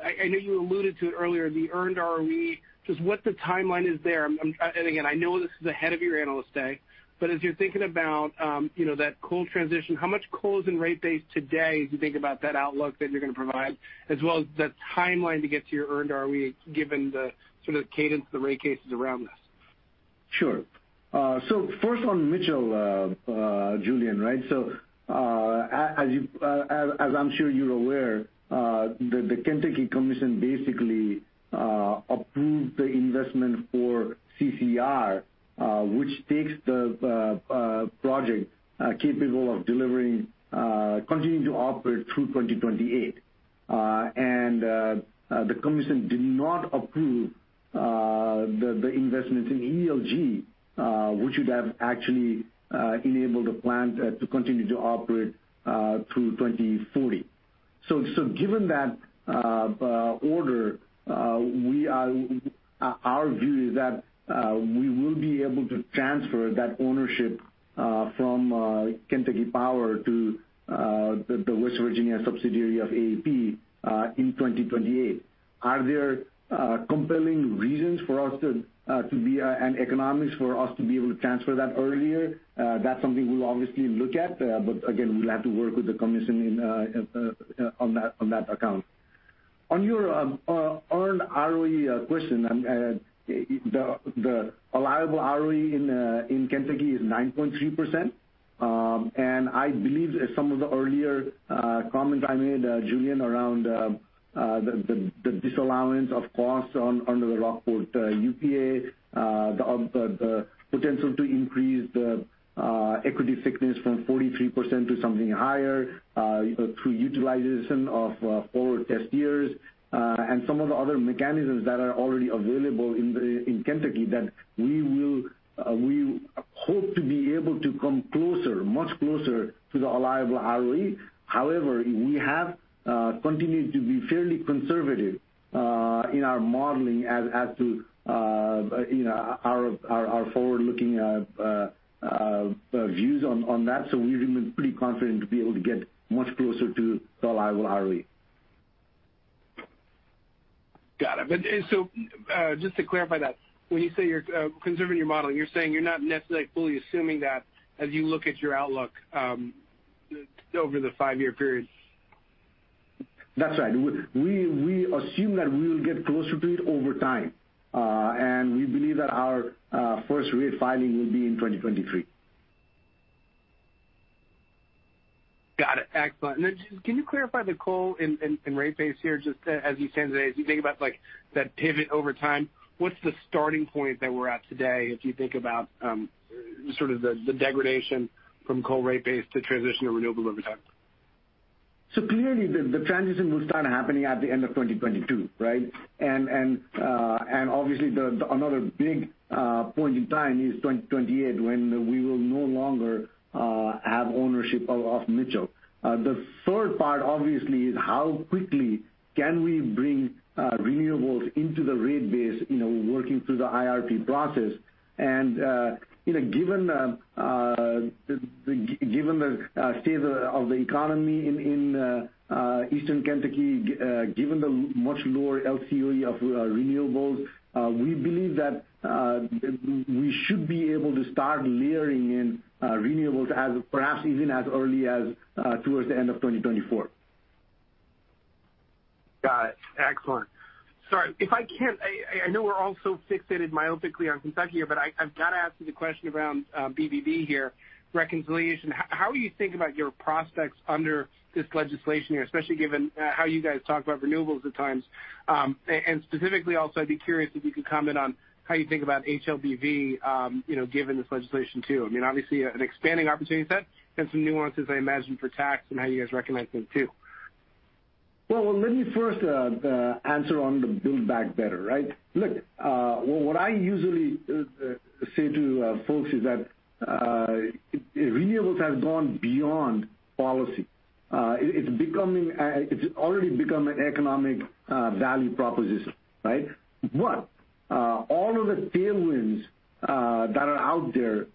know you alluded to it earlier, the earned ROE, just what the timeline is there. Again, I know this is ahead of your Analyst Day, but as you're thinking about, you know, that coal transition, how much coal is in rate base today as you think about that outlook that you're gonna provide, as well as the timeline to get to your earned ROE, given the sort of cadence of the rate cases around us? Sure. First on Mitchell, Julien, right? As I'm sure you're aware, the Kentucky Commission basically approved the investment for CCR, which makes the project capable of continuing to operate through 2028. The commission did not approve the investment in ELG, which would have actually enabled the plant to continue to operate through 2040. Given that order, our view is that we will be able to transfer that ownership from Kentucky Power to the West Virginia subsidiary of AEP in 2028. Are there compelling reasons and economics for us to be able to transfer that earlier? That's something we'll obviously look at, but again, we'll have to work with the commission on that account. On your earned ROE question, the allowable ROE in Kentucky is 9.3%. I believe as some of the earlier comments I made, Julien, around the disallowance of costs under the Rockport UPA, the potential to increase the equity thickness from 43% to something higher, through utilization of forward test years, and some of the other mechanisms that are already available in Kentucky that we hope to be able to come closer, much closer to the allowable ROE. However, we have continued to be fairly conservative in our modeling as to you know, our forward-looking views on that. We remain pretty confident to be able to get much closer to the allowable ROE. Got it. Just to clarify that, when you say you're conserving your modeling, you're saying you're not necessarily fully assuming that as you look at your outlook over the five-year period? That's right. We assume that we will get closer to it over time. We believe that our first rate filing will be in 2023. Got it. Excellent. Just can you clarify the coal and rate base here, just as you stand today, as you think about, like, that pivot over time, what's the starting point that we're at today as you think about, sort of the degradation from coal rate base to transition to renewables over time? Clearly the transition will start happening at the end of 2022, right? Obviously another big point in time is 2028, when we will no longer have ownership of Mitchell. The third part obviously is how quickly can we bring renewables into the rate base, you know, working through the IRP process. You know, given the state of the economy in Eastern Kentucky, given the much lower LCOE of renewables, we believe that we should be able to start layering in renewables as perhaps even as early as towards the end of 2024. Got it. Excellent. Sorry, if I can, I know we're all so fixated myopically on Kentucky here, but I've gotta ask you the question around BBB here, reconciliation. How are you thinking about your prospects under this legislation here, especially given how you guys talk about renewables at times? And specifically also I'd be curious if you could comment on how you think about HLBV, you know, given this legislation too. I mean, obviously an expanding opportunity set and some nuances I imagine for tax and how you guys recognize them too. Well, let me first answer on the Build Back Better, right? Look, what I usually say to folks is that renewables have gone beyond policy. It's already become an economic value proposition, right? All of the tailwinds that are out there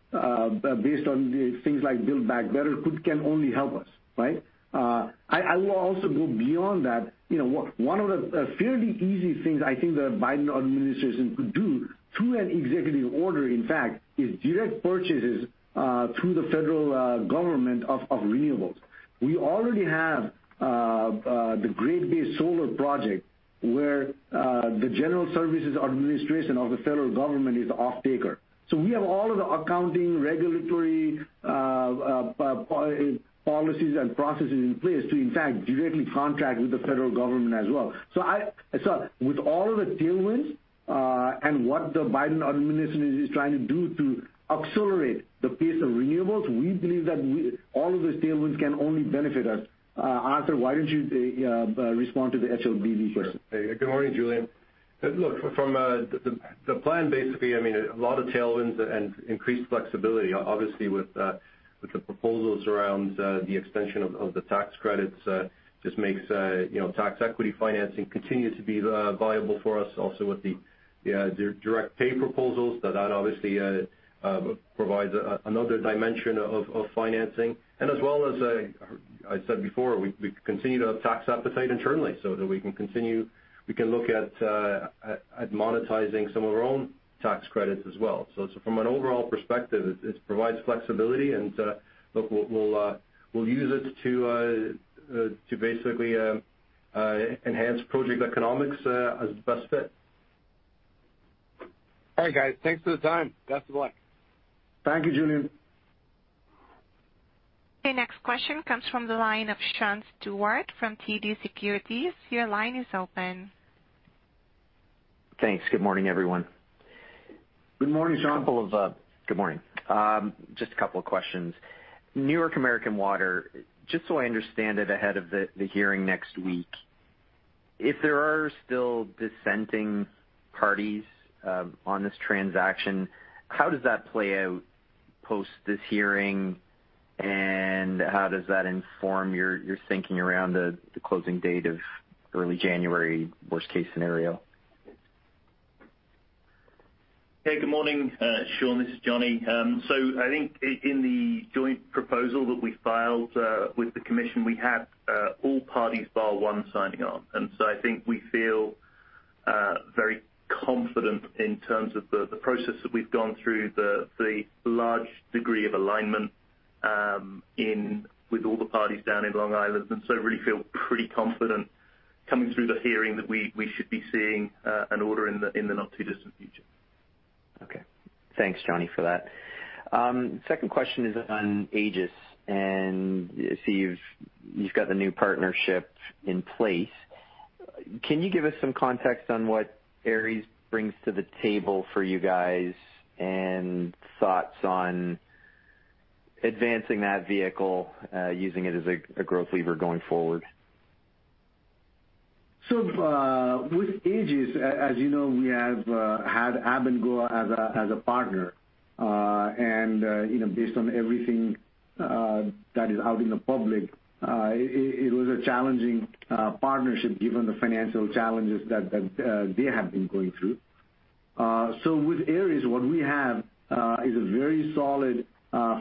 based on things like Build Back Better can only help us, right? I will also go beyond that. You know, one of the fairly easy things I think the Biden administration could do through an executive order, in fact, is direct purchases through the federal government of renewables. We already have the grid-based solar project, where the general services administration of the federal government is the offtaker. We have all of the accounting, regulatory, policies and processes in place to in fact directly contract with the federal government as well. With all of the tailwinds, and what the Biden administration is trying to do to accelerate the pace of renewables, we believe all of those tailwinds can only benefit us. Arthur, why don't you respond to the HLBV question? Sure. Good morning, Julien. Look, from the plan, basically, I mean, a lot of tailwinds and increased flexibility, obviously, with the proposals around the extension of the tax credits just makes you know tax equity financing continue to be viable for us also with the direct pay proposals. That obviously provides another dimension of financing. As well as I said before, we continue to have tax appetite internally so that we can look at monetizing some of our own tax credits as well. From an overall perspective, it provides flexibility, and look, we'll use it to basically enhance project economics as best fit. All right, guys, thanks for the time. Best of luck. Thank you, Julien. The next question comes from the line of Sean Steuart from TD Securities. Your line is open. Thanks. Good morning, everyone. Good morning, Sean. Good morning. Just a couple of questions. New York American Water, just so I understand it ahead of the hearing next week, if there are still dissenting parties on this transaction, how does that play out post this hearing? And how does that inform your thinking around the closing date of early January, worst case scenario? Hey, good morning, Sean. This is Johnny. I think in the joint proposal that we filed with the commission, we had all parties bar one signing on. I think we feel very confident in terms of the process that we've gone through, the large degree of alignment with all the parties down in Long Island. I really feel pretty confident coming through the hearing that we should be seeing an order in the not too distant future. Okay. Thanks, Johnny, for that. Second question is on AAGES. I see you've got the new partnership in place. Can you give us some context on what AAGES brings to the table for you guys and thoughts on advancing that vehicle, using it as a growth lever going forward? With AAGES, as you know, we have had Abengoa as a partner. You know, based on everything that is out in the public, it was a challenging partnership given the financial challenges that they have been going through. With AAGES, what we have is a very solid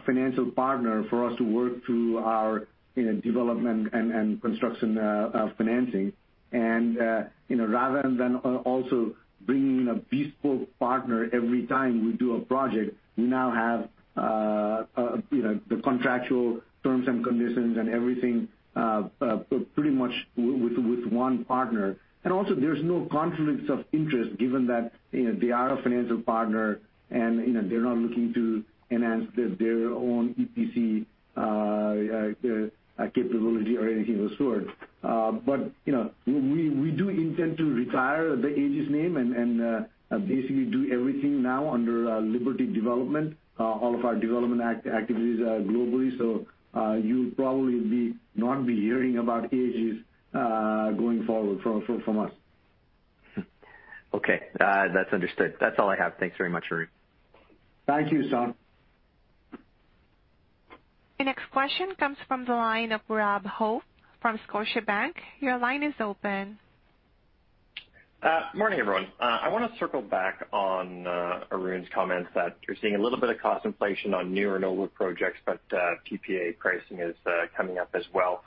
financial partner for us to work through our, you know, development and construction financing. You know, rather than also bringing in a bespoke partner every time we do a project, we now have, you know, the contractual terms and conditions and everything pretty much with one partner. Also there's no conflicts of interest given that, you know, they are a financial partner and, you know, they're not looking to enhance their own EPC capability or anything of the sort. You know, we do intend to retire the AAGES name and basically do everything now under Liberty Development, all of our development activities globally. You'll probably not be hearing about AAGES going forward from us. Okay. That's understood. That's all I have. Thanks very much, Arun. Thank you, Sean. The next question comes from the line of Rob Hope from Scotiabank. Your line is open. Morning, everyone. I wanna circle back on Arun's comments that you're seeing a little bit of cost inflation on new renewable projects, but PPA pricing is coming up as well.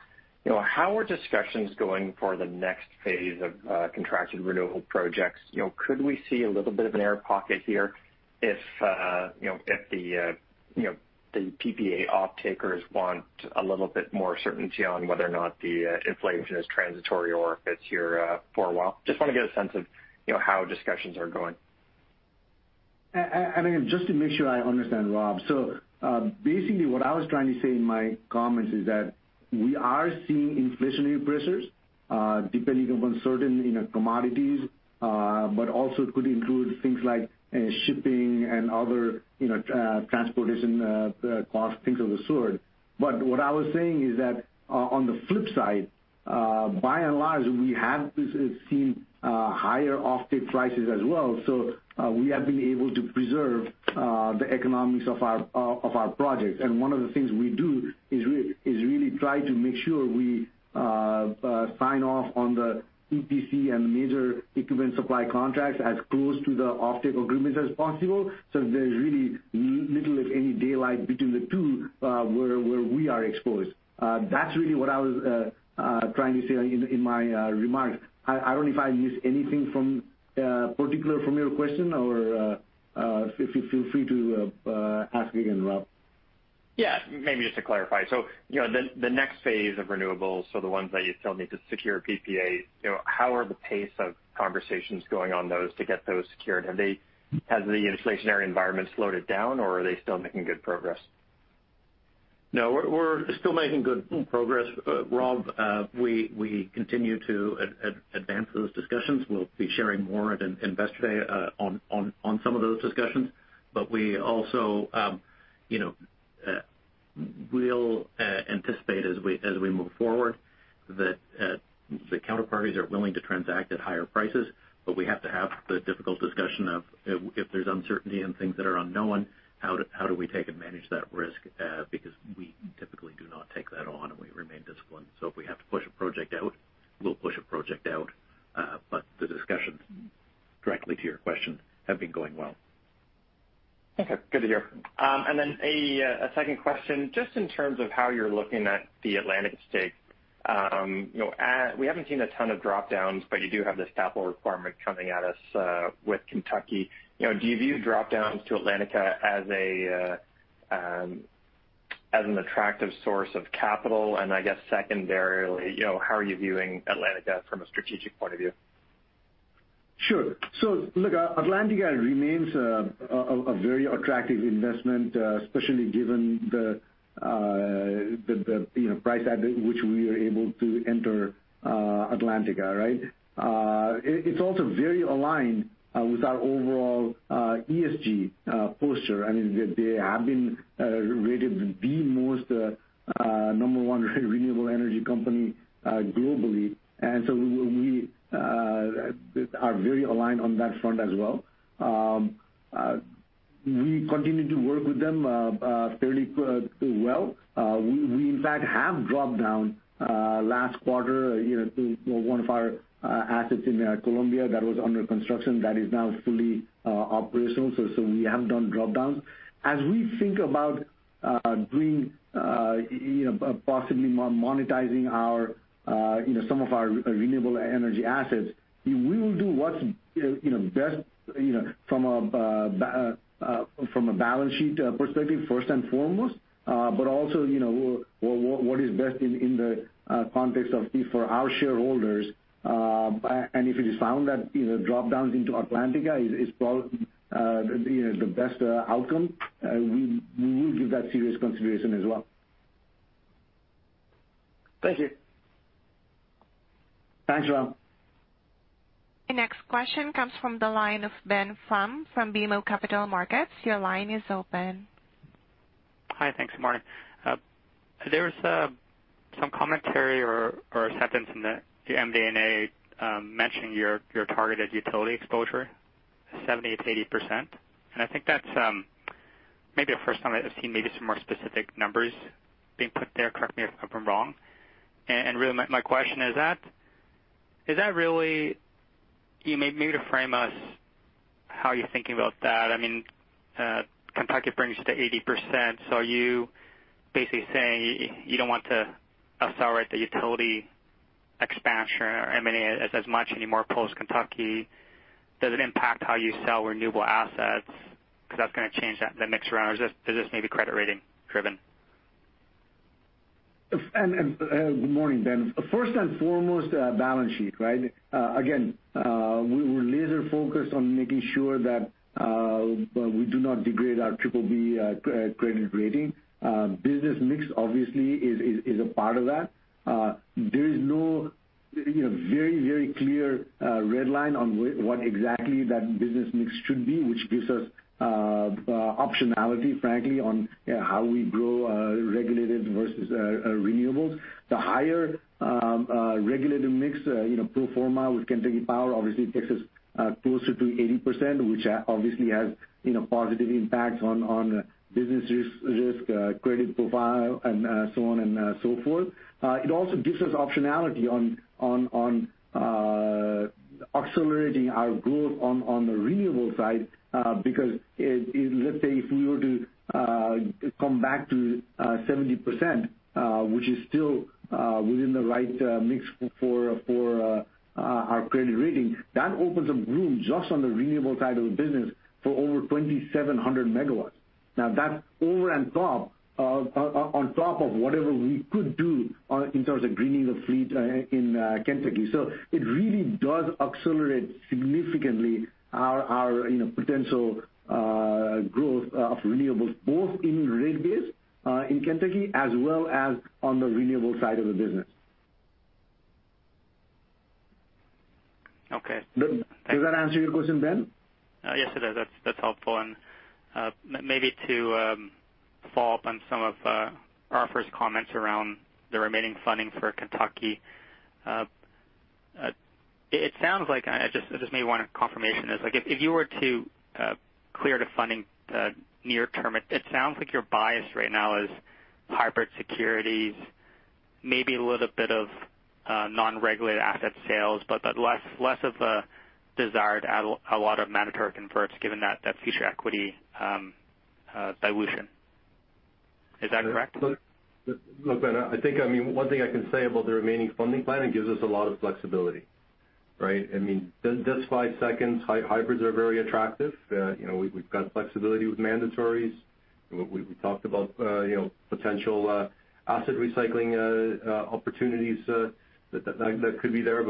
You know, how are discussions going for the next phase of contracted renewable projects? You know, could we see a little bit of an air pocket here if you know, if the PPA offtakers want a little bit more certainty on whether or not the inflation is transitory or if it's here for a while? Just wanna get a sense of you know, how discussions are going. Just to make sure I understand, Rob. Basically what I was trying to say in my comments is that we are seeing inflationary pressures, depending upon certain, you know, commodities, but also it could include things like shipping and other, you know, transportation cost, things of the sort. What I was saying is that on the flip side, by and large, we have seen higher offtake prices as well. We have been able to preserve the economics of our projects. One of the things we do is really try to make sure we sign off on the EPC and major equipment supply contracts as close to the offtake agreements as possible. There's really little, if any, daylight between the two, where we are exposed. That's really what I was trying to say in my remarks. I don't know if I missed anything in particular from your question or feel free to ask again, Rob. Yeah, maybe just to clarify. You know, the next phase of renewables, so the ones that you still need to secure PPAs, you know, how are the pace of conversations going on those to get those secured? Has the inflationary environment slowed it down, or are they still making good progress? No, we're still making good progress, Rob. We continue to advance those discussions. We'll be sharing more at Investor Day on some of those discussions. We also anticipate as we move forward that the counterparties are willing to transact at higher prices. We have to have the difficult discussion of if there's uncertainty and things that are unknown, how do we take and manage that risk? Because we typically do not take that on, and we remain disciplined. If we have to push a project out, we'll push a project out. The discussions, directly to your question, have been going well. Okay, good to hear. Second question, just in terms of how you're looking at the Atlantica stake. You know, we haven't seen a ton of drop-downs, but you do have this capital requirement coming at us with Kentucky. You know, do you view drop-downs to Atlantica as an attractive source of capital? I guess secondarily, you know, how are you viewing Atlantica from a strategic point of view? Sure. Look, Atlantica remains a very attractive investment, especially given the, you know, price at which we were able to enter Atlantica, right? It's also very aligned with our overall ESG posture. I mean, they have been rated the most number one renewable energy company globally. We are very aligned on that front as well. We continue to work with them, well. We in fact have dropped down last quarter, you know, to one of our assets in Colombia that was under construction that is now fully operational. We have done drop-downs. As we think about doing you know possibly monetizing our you know some of our renewable energy assets, we will do what's you know best you know from a balance sheet perspective first and foremost. Also you know what is best in the context of for our shareholders. If it is found that you know drop-downs into Atlantica is probably you know the best outcome, we will give that serious consideration as well. Thank you. Thanks, Rob. The next question comes from the line of Ben Pham from BMO Capital Markets. Your line is open. Hi. Thanks. Good morning. There was some commentary or a sentence in the MD&A mentioning your target as utility exposure, 70%-80%. I think that's maybe the first time I've seen maybe some more specific numbers being put there, correct me if I'm wrong. Really my question is that really maybe to frame us how you're thinking about that. I mean, Kentucky brings you to 80%. So are you basically saying you don't want to accelerate the utility expansion or M&A as much anymore post Kentucky? Does it impact how you sell renewable assets because that's gonna change that, the mix around? Or is this maybe credit rating driven? Good morning, Ben. First and foremost, balance sheet, right? Again, we're laser focused on making sure that we do not degrade our triple-B credit rating. Business mix obviously is a part of that. There is no, you know, very, very clear red line on what exactly that business mix should be, which gives us optionality, frankly, on how we grow, regulated versus renewables. The higher regulated mix, you know, pro forma with Kentucky Power obviously takes us closer to 80%, which obviously has positive impacts on business risk, credit profile and so on and so forth. It also gives us optionality on accelerating our growth on the renewable side because it—let's say if we were to come back to 70%, which is still within the right mix for our credit rating, that opens up room just on the renewable side of the business for over 2,700 MW. Now that's on top of whatever we could do in terms of greening the fleet in Kentucky. It really does accelerate significantly our you know potential growth of renewables, both in rate base in Kentucky as well as on the renewable side of the business. Okay. Does that answer your question, Ben? Yes, it does. That's helpful. Maybe to follow up on some of Arthur's comments around the remaining funding for Kentucky. It sounds like I just maybe want a confirmation. It's like if you were to close to funding the near term, it sounds like your bias right now is hybrid securities, maybe a little bit of non-regulated asset sales, but less of a desire to add a lot of mandatory converts given that future equity dilution. Is that correct? Look, Ben, I think, I mean, one thing I can say about the remaining funding plan, it gives us a lot of flexibility, right? I mean, just five seconds, hybrids are very attractive. You know, we've got flexibility with mandatories. We've talked about, you know, potential asset recycling opportunities that could be there.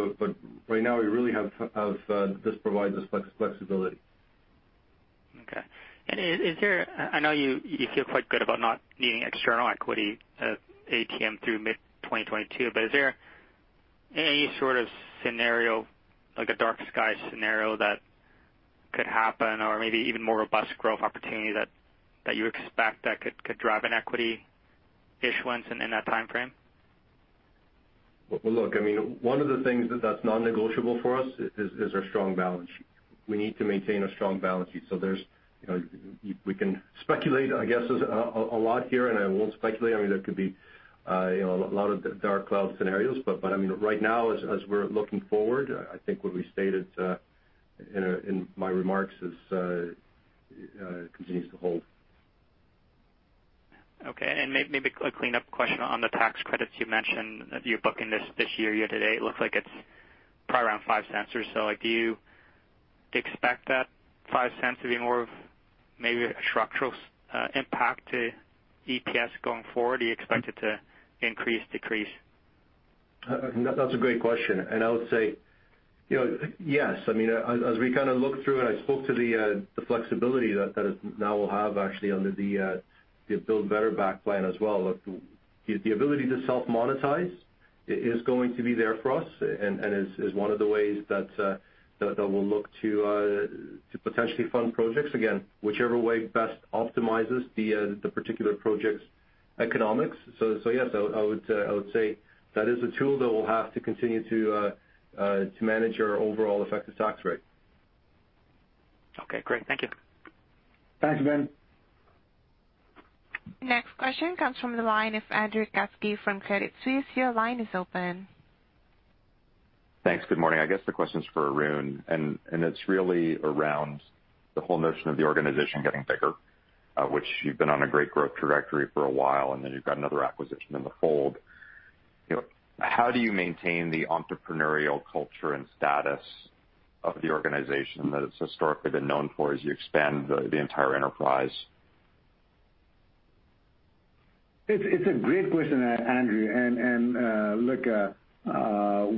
Right now we really have this provides us flexibility. Okay. Is there—I know you feel quite good about not needing external equity ATM through mid-2022. Is there any sort of scenario, like a downside scenario that could happen or maybe even more robust growth opportunity that you expect that could drive an equity issuance in that time frame? Well, look, I mean, one of the things that's non-negotiable for us is our strong balance sheet. We need to maintain a strong balance sheet. There's, you know, we can speculate, I guess, a lot here and I won't speculate. I mean, there could be, you know, a lot of dark cloud scenarios. I mean, right now as we're looking forward, I think what we stated in my remarks is continues to hold. Okay. Maybe a clean up question on the tax credits you mentioned you're booking this year-to-date. It looks like it's probably around $0.05 or so. Do you expect that $0.05 to be more of maybe a structural impact to EPS going forward? Do you expect it to increase, decrease? That's a great question. I would say, you know, yes. I mean, as we kind of look through and I spoke to the flexibility that now we'll have actually under the Build Back Better plan as well. The ability to self-monetize is going to be there for us and is one of the ways that we'll look to potentially fund projects, again, whichever way best optimizes the particular project's economics. Yes, I would say that is a tool that we'll have to continue to manage our overall effective tax rate. Okay, great. Thank you. Thanks, Ben. Next question comes from the line of Andrew Kuske from Credit Suisse. Your line is open. Thanks. Good morning. I guess the question is for Arun, and it's really around the whole notion of the organization getting bigger, which you've been on a great growth trajectory for a while, and then you've got another acquisition in the fold. You know, how do you maintain the entrepreneurial culture and status of the organization that it's historically been known for as you expand the entire enterprise? It's a great question, Andrew.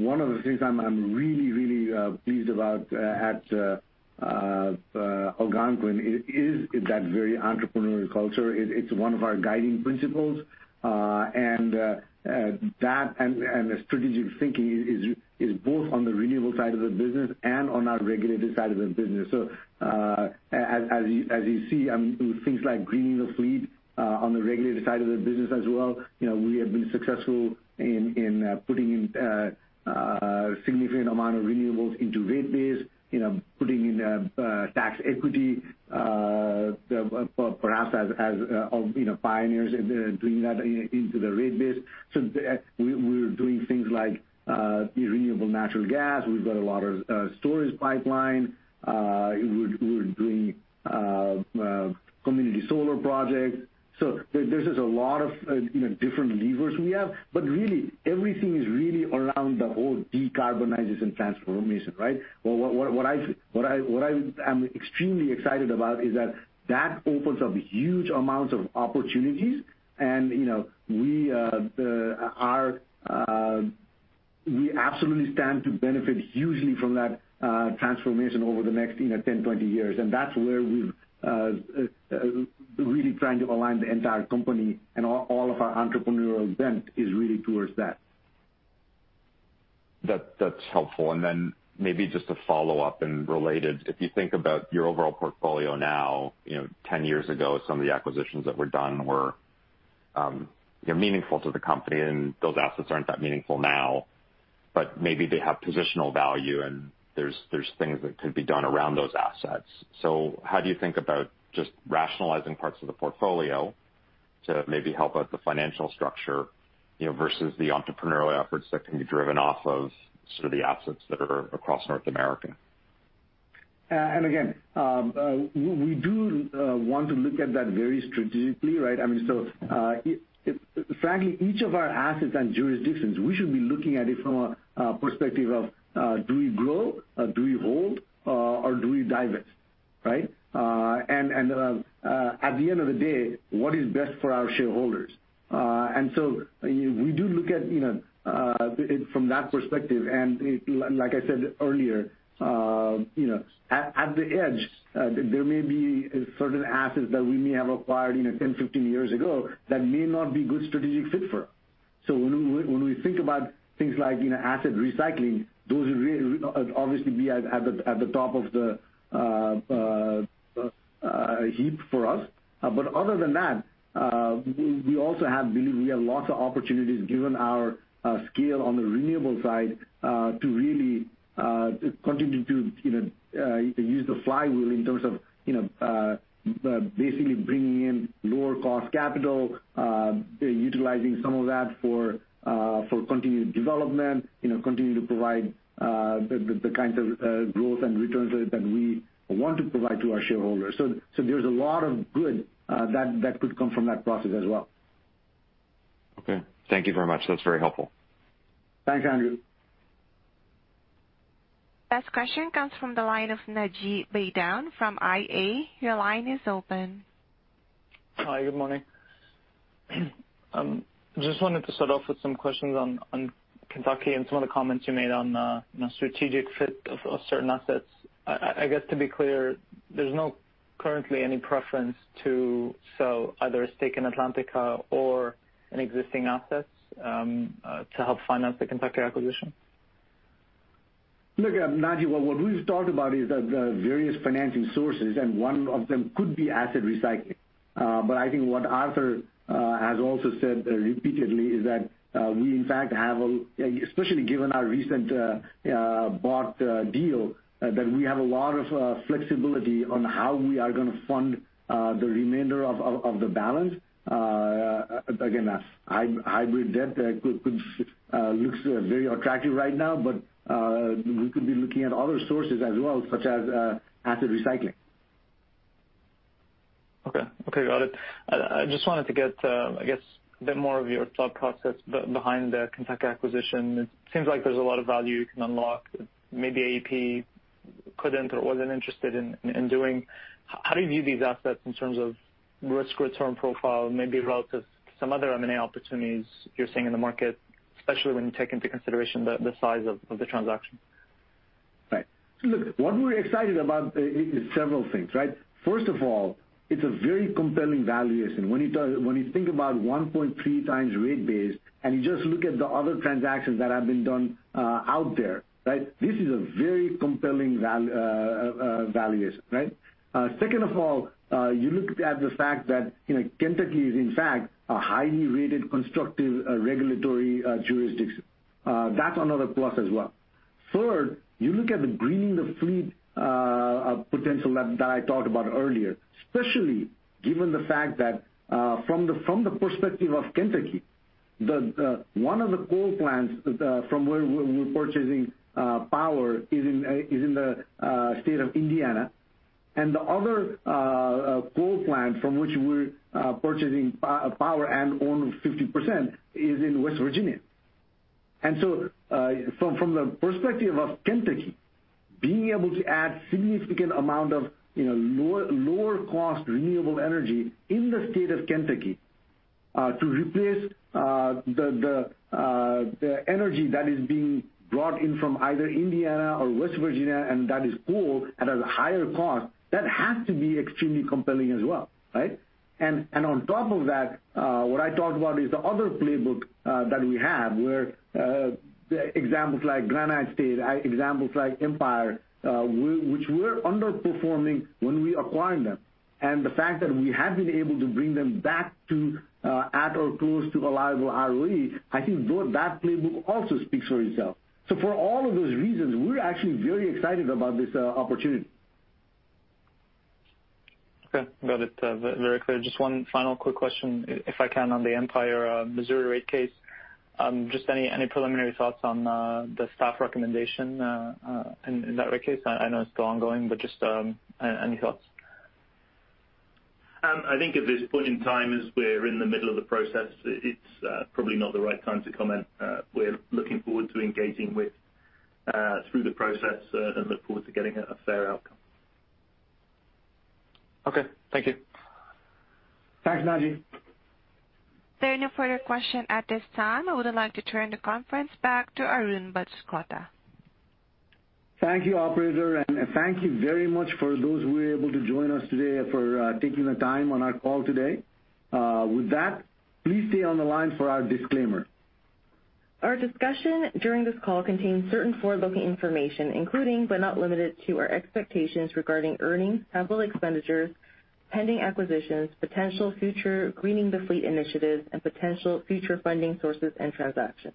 One of the things I'm really pleased about at Algonquin is that very entrepreneurial culture. It's one of our guiding principles. That and strategic thinking is both on the renewable side of the business and on our regulated side of the business. As you see, things like greening the fleet on the regulated side of the business as well, you know, we have been successful in putting in a significant amount of renewables into rate base, you know, putting in tax equity, perhaps as you know, pioneers in doing that into the rate base. We're doing things like renewable natural gas. We've got a lot of storage pipeline. We're doing community solar projects. There's just a lot of you know different levers we have. Really, everything is really around the whole decarbonization transformation, right? What I am extremely excited about is that that opens up huge amounts of opportunities. You know, we absolutely stand to benefit hugely from that transformation over the next, you know, 10, 20 years. That's where we've really trying to align the entire company and all of our entrepreneurial bent is really towards that. That, that's helpful. Maybe just a follow-up and related, if you think about your overall portfolio now, you know, 10 years ago, some of the acquisitions that were done were, you know, meaningful to the company, and those assets aren't that meaningful now, but maybe they have positional value and there's things that could be done around those assets. How do you think about just rationalizing parts of the portfolio to maybe help out the financial structure, you know, versus the entrepreneurial efforts that can be driven off of sort of the assets that are across North America? We do want to look at that very strategically, right? Frankly, each of our assets and jurisdictions, we should be looking at it from a perspective of, do we grow, do we hold, or do we divest? Right? At the end of the day, what is best for our shareholders. We do look at, you know, it from that perspective. Like I said earlier, you know, at the edge, there may be certain assets that we may have acquired, you know, 10, 15 years ago that may not be good strategic fit for us. When we think about things like, you know, asset recycling, those are really obviously at the top of the heap for us. But other than that, we also believe we have lots of opportunities given our scale on the renewable side to really continue to, you know, use the flywheel in terms of, you know, basically bringing in lower cost capital, utilizing some of that for continued development, you know, continue to provide the kinds of growth and returns that we want to provide to our shareholders. So there's a lot of good that could come from that process as well. Okay, thank you very much. That's very helpful. Thanks, Andrew. Next question comes from the line of Naji Baydoun from IA. Your line is open. Hi. Good morning. Just wanted to start off with some questions on Kentucky and some of the comments you made on the strategic fit of certain assets. I guess to be clear, there's no currently any preference to sell either a stake in Atlantica or an existing assets to help finance the Kentucky acquisition? Look, Naji, what we've talked about is the various financing sources, and one of them could be asset recycling. I think what Arthur has also said repeatedly is that we in fact have, especially given our recent bought deal, a lot of flexibility on how we are gonna fund the remainder of the balance. Again, hybrid debt could look very attractive right now, but we could be looking at other sources as well, such as asset recycling. Okay, got it. I just wanted to get I guess a bit more of your thought process behind the Kentucky acquisition. It seems like there's a lot of value you can unlock maybe AEP couldn't or wasn't interested in doing. How do you view these assets in terms of risk return profile, maybe relative to some other M&A opportunities you're seeing in the market, especially when you take into consideration the size of the transaction? Right. Look, what we're excited about is several things, right? First of all, it's a very compelling valuation. When you think about 1.3x rate base and you just look at the other transactions that have been done out there, right? This is a very compelling valuation, right? Second of all, you look at the fact that, you know, Kentucky is in fact a highly rated constructive regulatory jurisdiction. That's another plus as well. Third, you look at the greening the fleet potential that I talked about earlier, especially given the fact that from the perspective of Kentucky, one of the coal plants from where we're purchasing power is in the state of Indiana. The other coal plant from which we're purchasing power and own 50% is in West Virginia. From the perspective of Kentucky, being able to add significant amount of, you know, lower cost renewable energy in the state of Kentucky, to replace the energy that is being brought in from either Indiana or West Virginia and that is coal at a higher cost, that has to be extremely compelling as well, right? On top of that, what I talked about is the other playbook that we have where examples like Granite State, examples like Empire, which were underperforming when we acquired them. The fact that we have been able to bring them back to at or close to reliable ROE, I think that playbook also speaks for itself. For all of those reasons, we're actually very excited about this opportunity. Okay. Got it. Very clear. Just one final quick question, if I can, on the Empire, Missouri rate case. Just any preliminary thoughts on the staff recommendation in that case? I know it's still ongoing, but just any thoughts? I think at this point in time, as we're in the middle of the process, it's probably not the right time to comment. We're looking forward to engaging with through the process, and look forward to getting a fair outcome. Okay. Thank you. Thanks, Naji. There are no further questions at this time. I would like to turn the conference back to Arun Banskota. Thank you, operator. Thank you very much for those who were able to join us today, for taking the time on our call today. With that, please stay on the line for our disclaimer. Our discussion during this call contains certain forward-looking information including but not limited to our expectations regarding earnings, capital expenditures, pending acquisitions, potential future Greening the Fleet initiatives and potential future funding sources and transactions.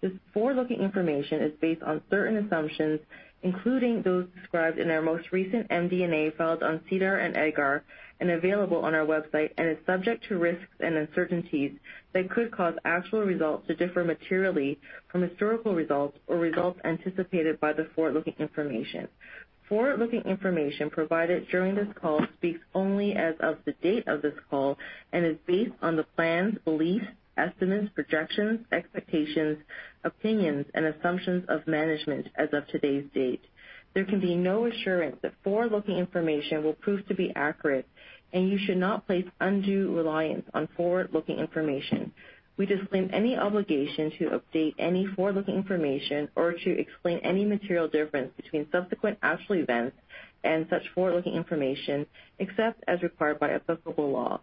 This forward-looking information is based on certain assumptions, including those described in our most recent MD&A filed on SEDAR and EDGAR and available on our website, and is subject to risks and uncertainties that could cause actual results to differ materially from historical results or results anticipated by the forward-looking information. Forward-looking information provided during this call speaks only as of the date of this call and is based on the plans, beliefs, estimates, projections, expectations, opinions and assumptions of management as of today's date. There can be no assurance that forward-looking information will prove to be accurate, and you should not place undue reliance on forward-looking information. We disclaim any obligation to update any forward-looking information or to explain any material difference between subsequent actual events and such forward-looking information except as required by applicable law.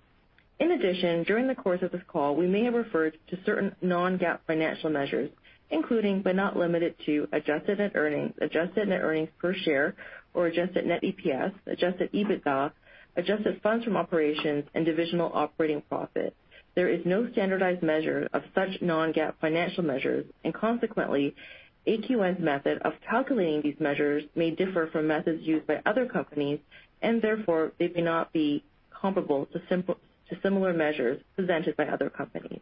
In addition, during the course of this call, we may have referred to certain non-GAAP financial measures, including but not limited to adjusted net earnings, adjusted net earnings per share or adjusted net EPS, adjusted EBITDA, adjusted funds from operations and divisional operating profit. There is no standardized measure of such non-GAAP financial measures, and consequently, AQN's method of calculating these measures may differ from methods used by other companies and therefore they may not be comparable to similar measures presented by other companies.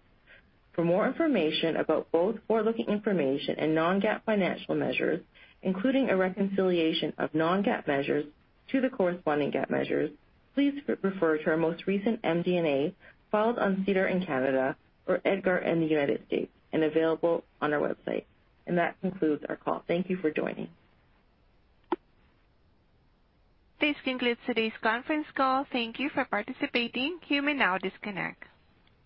For more information about both forward-looking information and non-GAAP financial measures, including a reconciliation of non-GAAP measures to the corresponding GAAP measures, please refer to our most recent MD&A filed on SEDAR in Canada or EDGAR in the United States and available on our website. That concludes our call. Thank you for joining. This concludes today's conference call. Thank you for participating. You may now disconnect.